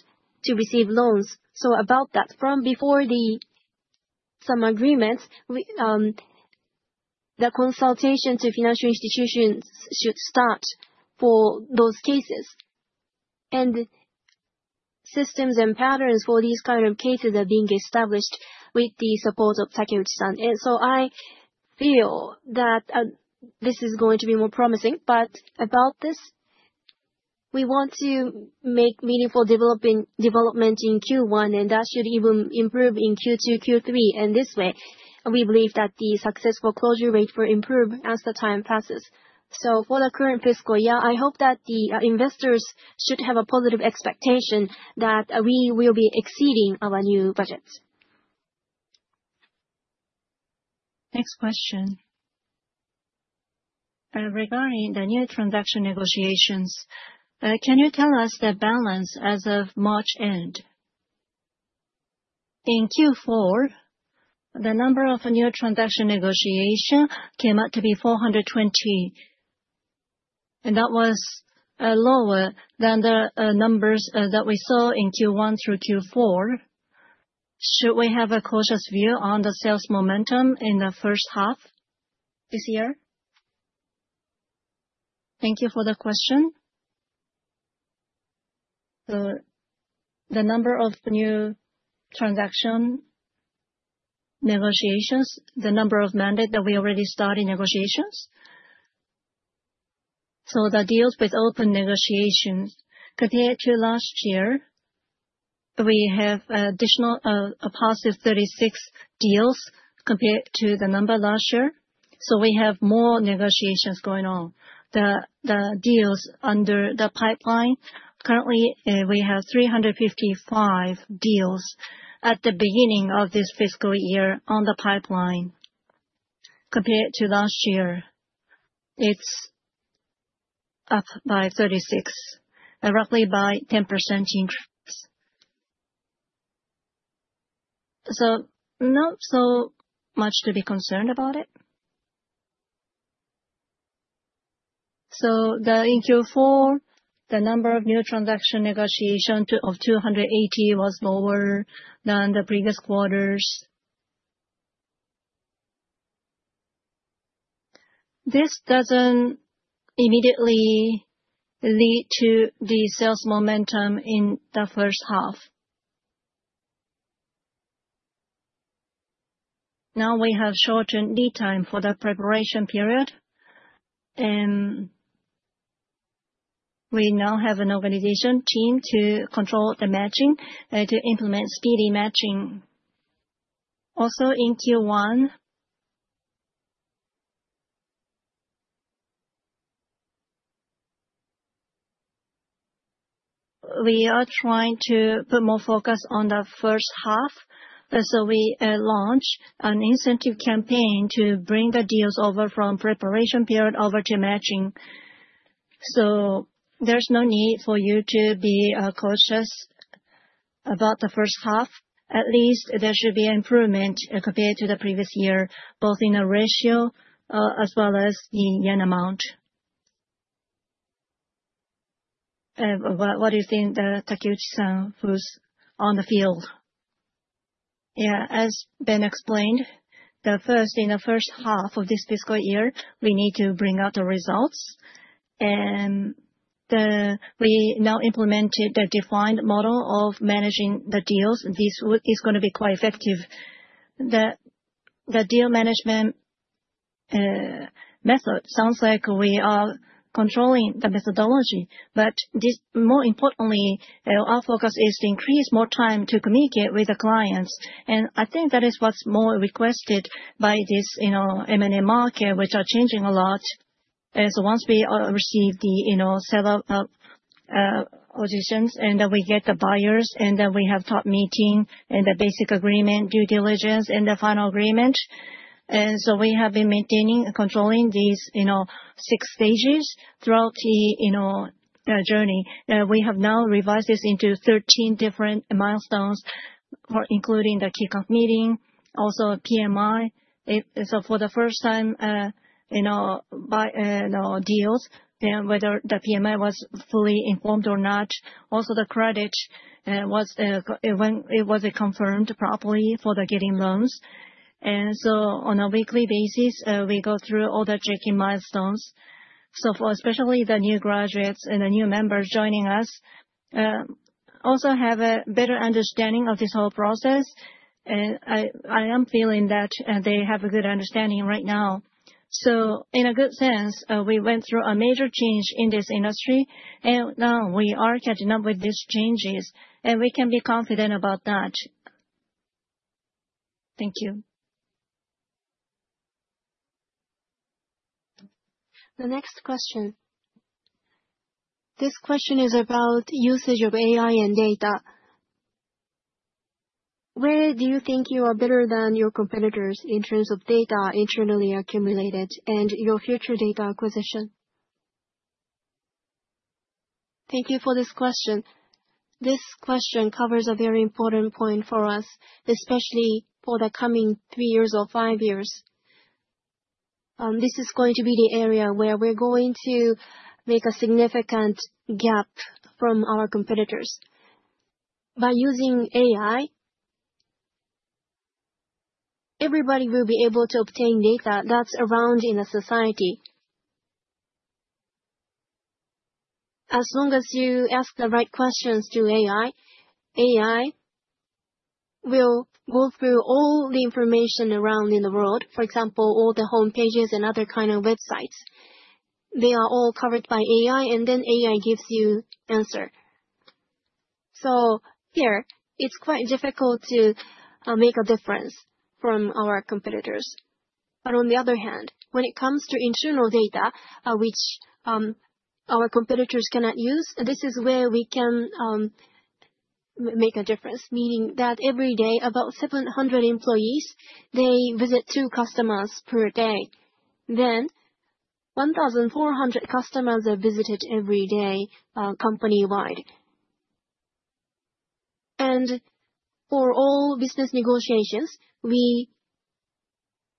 to receive loans. About that, from before some agreements, the consultation to financial institutions should start for those cases. Systems and patterns for these kinds of cases are being established with the support of Takeuchi-san. I feel that this is going to be more promising. About this, we want to make meaningful development in Q1, and that should even improve in Q2, Q3. In this way, we believe that the successful closure rate will improve as the time passes. For the current fiscal year, I hope that the investors should have a positive expectation that we will be exceeding our new budget. Next question. Regarding the new transaction negotiations, can you tell us the balance as of March end? In Q4, the number of new transaction negotiations came out to be 420. That was lower than the numbers that we saw in Q1 through Q4. Should we have a cautious view on the sales momentum in the first half this year? Thank you for the question. The number of new transaction negotiations, the number of mandates that we already started negotiations. The deals with open negotiations, compared to last year, we have additional positive 36 deals compared to the number last year. We have more negotiations going on. The deals under the pipeline, currently, we have 355 deals at the beginning of this fiscal year on the pipeline. Compared to last year, it's up by 36, roughly by 10% increase. Not so much to be concerned about it. In Q4, the number of new transaction negotiations of 280 was lower than the previous quarters. This doesn't immediately lead to the sales momentum in the first half. Now we have shortened lead time for the preparation period. We now have an organization team to control the matching and to implement speedy matching. Also, in Q1, we are trying to put more focus on the first half. We launched an incentive campaign to bring the deals over from preparation period over to matching. There's no need for you to be cautious about the first half. At least there should be an improvement compared to the previous year, both in the ratio as well as the yen amount. What do you think, Takeuchi-san, who's on the field? Yeah, as Ben explained, in the first half of this fiscal year, we need to bring out the results. And we now implemented the defined model of managing the deals. This is going to be quite effective. The deal management method sounds like we are controlling the methodology. More importantly, our focus is to increase more time to communicate with the clients. I think that is what's more requested by this M&A market, which are changing a lot. Once we receive the seller positions, and then we get the buyers, and then we have top meeting, and the basic agreement, due diligence, and the final agreement. We have been maintaining and controlling these six stages throughout the journey. We have now revised this into 13 different milestones, including the kickoff meeting, also PMI. For the first time, deals, whether the PMI was fully informed or not. Also, the credit was confirmed properly for the getting loans. On a weekly basis, we go through all the checking milestones. Especially the new graduates and the new members joining us also have a better understanding of this whole process. I am feeling that they have a good understanding right now. In a good sense, we went through a major change in this industry. Now we are catching up with these changes. We can be confident about that. Thank you. The next question. This question is about usage of AI and data. Where do you think you are better than your competitors in terms of data internally accumulated and your future data acquisition? Thank you for this question. This question covers a very important point for us, especially for the coming three years or five years. This is going to be the area where we're going to make a significant gap from our competitors. By using AI, everybody will be able to obtain data that's around in the society. As long as you ask the right questions to AI, AI will go through all the information around in the world, for example, all the homepages and other kinds of websites. They are all covered by AI, and then AI gives you answers. Here, it's quite difficult to make a difference from our competitors. On the other hand, when it comes to internal data, which our competitors cannot use, this is where we can make a difference, meaning that every day, about 700 employees, they visit two customers per day. That means 1,400 customers are visited every day company-wide. For all business negotiations, we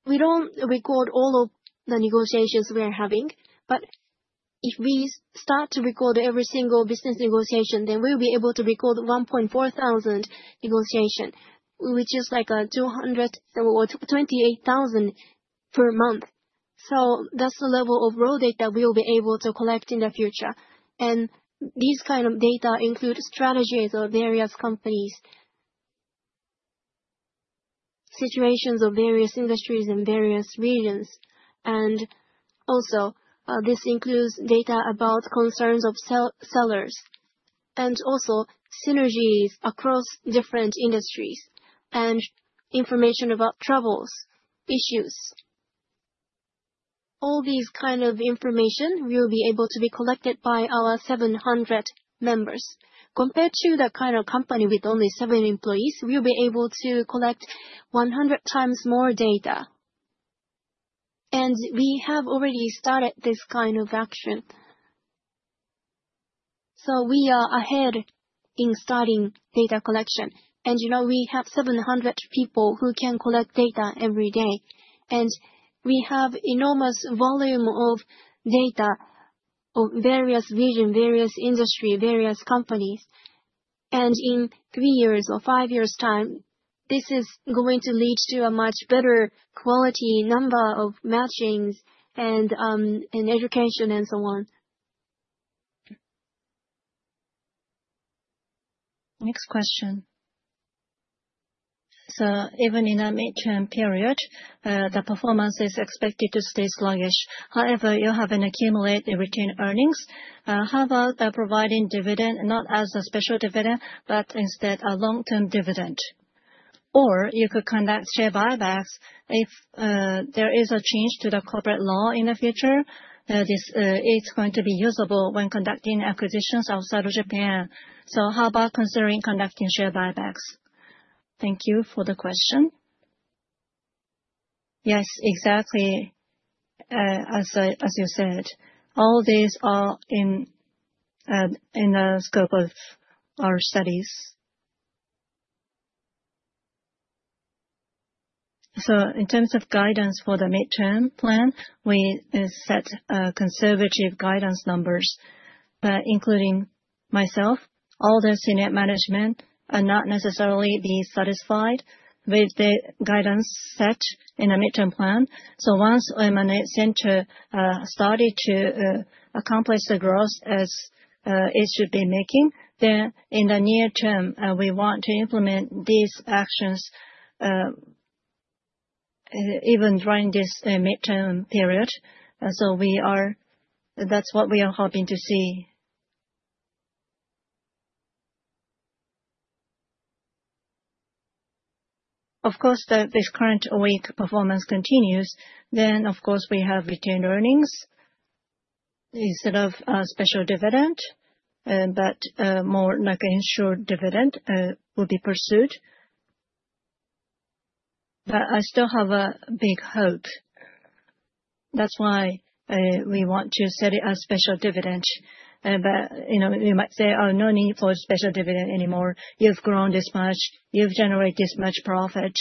do not record all of the negotiations we are having. If we start to record every single business negotiation, we will be able to record 1,400 negotiations, which is like 28,000 per month. That is the level of raw data we will be able to collect in the future. These kinds of data include strategies of various companies, situations of various industries in various regions. This also includes data about concerns of sellers and also synergies across different industries and information about troubles, issues. All these kinds of information will be able to be collected by our 700 members. Compared to the kind of company with only seven employees, we'll be able to collect 100 times more data. We have already started this kind of action. We are ahead in starting data collection. We have 700 people who can collect data every day. We have enormous volume of data of various regions, various industries, various companies. In three years or five years' time, this is going to lead to a much better quality number of matchings and education and so on. Next question. Even in a midterm period, the performance is expected to stay sluggish. However, you have an accumulated retained earnings. How about providing dividend, not as a special dividend, but instead a long-term dividend? You could conduct share buybacks if there is a change to the corporate law in the future. It is going to be usable when conducting acquisitions outside of Japan. How about considering conducting share buybacks? Thank you for the question. Yes, exactly as you said. All these are in the scope of our studies. In terms of guidance for the midterm plan, we set conservative guidance numbers. Including myself, all the senior management are not necessarily satisfied with the guidance set in the midterm plan. Once Nihon M&A Center started to accomplish the growth as it should be making, then in the near term, we want to implement these actions even during this midterm period. That is what we are hoping to see. Of course, if this current week performance continues, then of course, we have retained earnings instead of a special dividend, but more like an insured dividend will be pursued. I still have a big hope. That is why we want to set it as special dividend. You might say, "Oh, no need for special dividend anymore. You have grown this much. You have generated this much profit."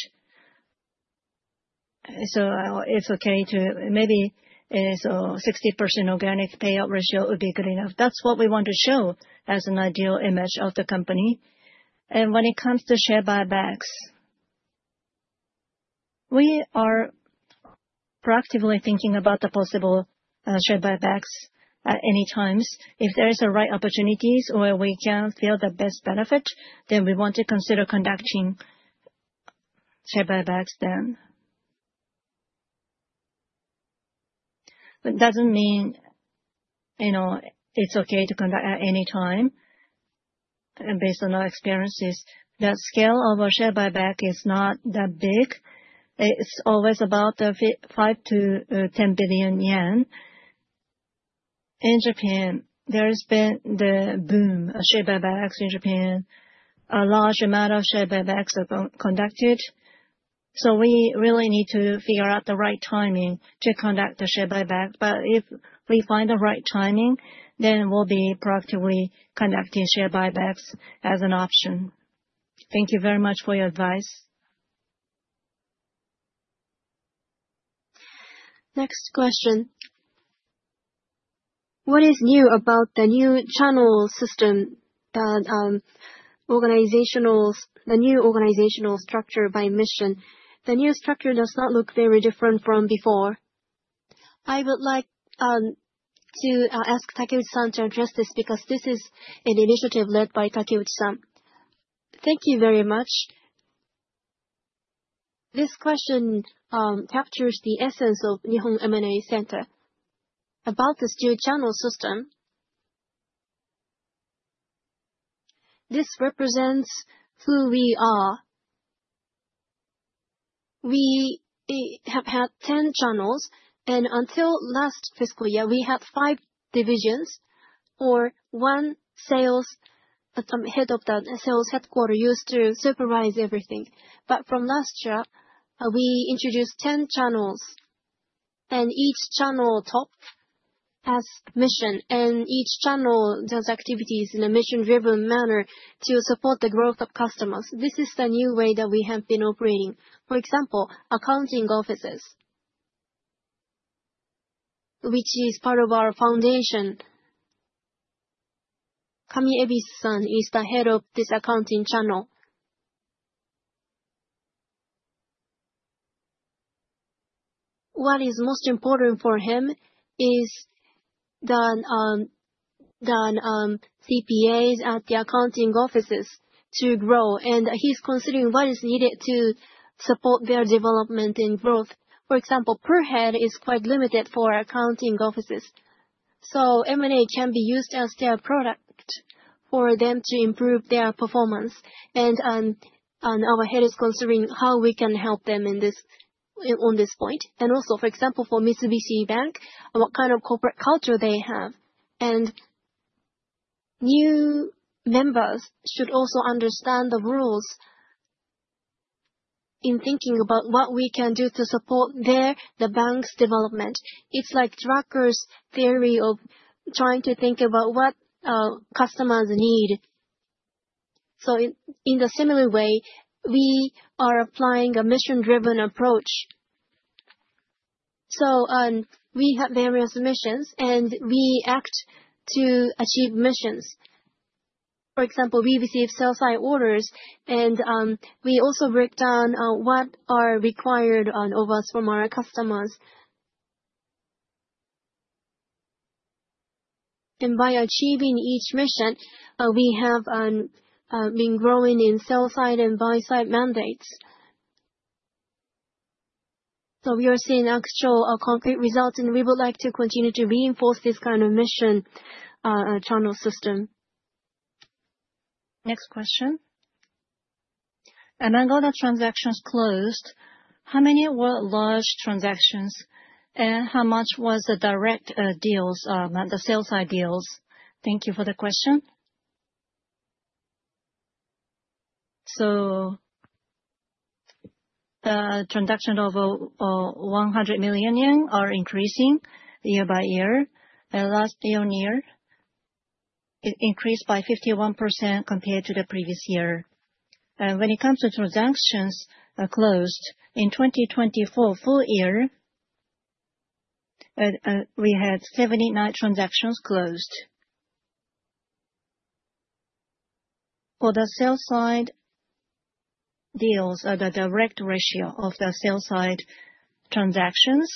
It is okay to maybe 60% organic payout ratio would be good enough. That is what we want to show as an ideal image of the company. When it comes to share buybacks, we are proactively thinking about the possible share buybacks at any times. If there are the right opportunities where we can feel the best benefit, then we want to consider conducting share buybacks then. It does not mean it is okay to conduct at any time. Based on our experiences, the scale of our share buyback is not that big. It is always about 5 billion-10 billion yen. In Japan, there has been the boom of share buybacks in Japan. A large amount of share buybacks are conducted. We really need to figure out the right timing to conduct the share buyback. If we find the right timing, then we will be proactively conducting share buybacks as an option. Thank you very much for your advice. Next question. What is new about the new channel system, the new organizational structure by mission? The new structure does not look very different from before. I would like to ask Takeuchi-san to address this because this is an initiative led by Takeuchi-san. Thank you very much. This question captures the essence of Nihon M&A Center. About the steel channel system, this represents who we are. We have had 10 channels. Until last fiscal year, we had five divisions or one sales head of the Sales Headquarters used to supervise everything. From last year, we introduced 10 channels. Each channel top has mission. Each channel does activities in a mission-driven manner to support the growth of customers. This is the new way that we have been operating. For example, accounting offices, which is part of our foundation. Kami Ebisu-san is the head of this accounting channel. What is most important for him is the CPAs at the accounting offices to grow. He is considering what is needed to support their development and growth. For example, per head is quite limited for accounting offices. M&A can be used as their product for them to improve their performance. Our head is considering how we can help them on this point. For example, for Mitsubishi Bank, what kind of corporate culture they have. New members should also understand the rules in thinking about what we can do to support their, the bank's development. It is like Drucker's theory of trying to think about what customers need. In a similar way, we are applying a mission-driven approach. We have various missions, and we act to achieve missions. For example, we receive sell-side orders, and we also break down what are required of us from our customers. By achieving each mission, we have been growing in sell-side and buy-side mandates. We are seeing actual concrete results, and we would like to continue to reinforce this kind of mission channel system. Next question. Among all the transactions closed, how many were large transactions, and how much was the direct deals, the sell-side deals? Thank you for the question. The transaction of 100 million yen are increasing year by year. Last year on year, it increased by 51% compared to the previous year. When it comes to transactions closed, in 2024 full year, we had 79 transactions closed. For the sell-side deals, the direct ratio of the sell-side transactions.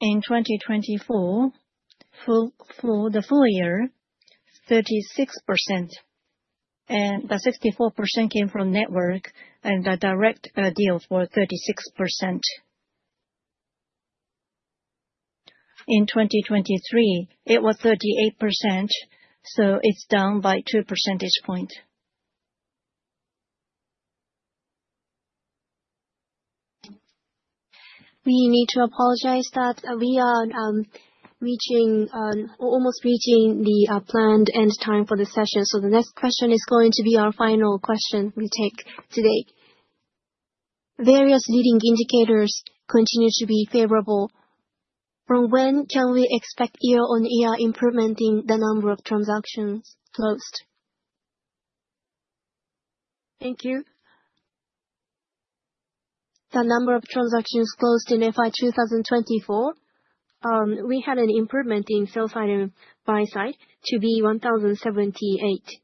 In 2024, for the full year, 36%. The 64% came from network, and the direct deal for 36%. In 2023, it was 38%, so it is down by two percentage points. We need to apologize that we are almost reaching the planned end time for the session. The next question is going to be our final question we take today. Various leading indicators continue to be favorable. From when can we expect year-on-year improvement in the number of transactions closed? Thank you. The number of transactions closed in fiscal year 2024, we had an improvement in sell-side and buy-side to be 1,078.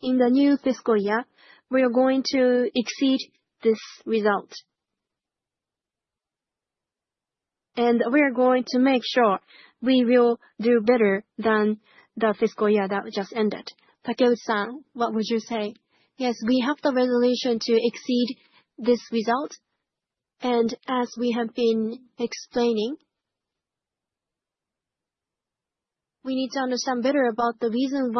In the new fiscal year, we are going to exceed this result. We are going to make sure we will do better than the fiscal year that just ended. Takeuchi-san, what would you say? Yes, we have the resolution to exceed this result. As we have been explaining, we need to understand better about the reason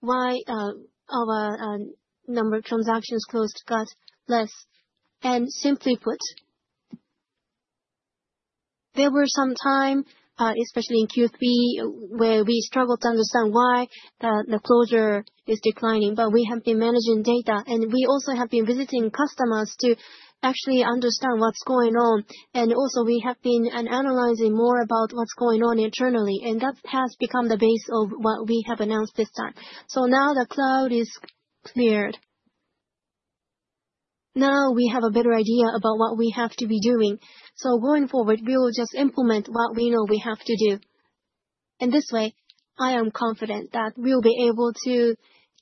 why our number of transactions closed got less. Simply put, there was some time, especially in Q3, where we struggled to understand why the closure is declining. We have been managing data, and we also have been visiting customers to actually understand what is going on. We have been analyzing more about what is going on internally. That has become the base of what we have announced this time. Now the cloud is cleared. Now we have a better idea about what we have to be doing. Going forward, we will just implement what we know we have to do. In this way, I am confident that we'll be able to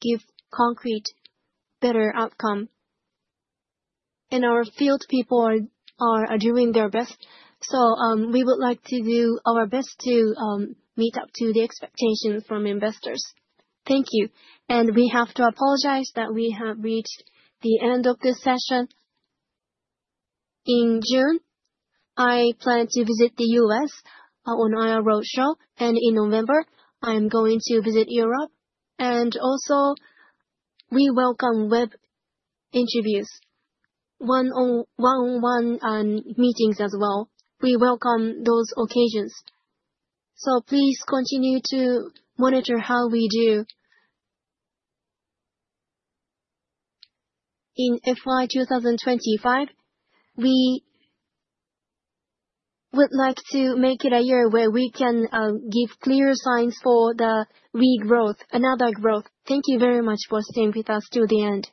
give concrete, better outcome. Our field people are doing their best. We would like to do our best to meet up to the expectations from investors. Thank you. We have to apologize that we have reached the end of this session. In June, I plan to visit the US on IA Roadshow. In November, I'm going to visit Europe. Also, we welcome web interviews, one-on-one meetings as well. We welcome those occasions. Please continue to monitor how we do. In FY 2025, we would like to make it a year where we can give clear signs for the regrowth, another growth. Thank you very much for staying with us till the end.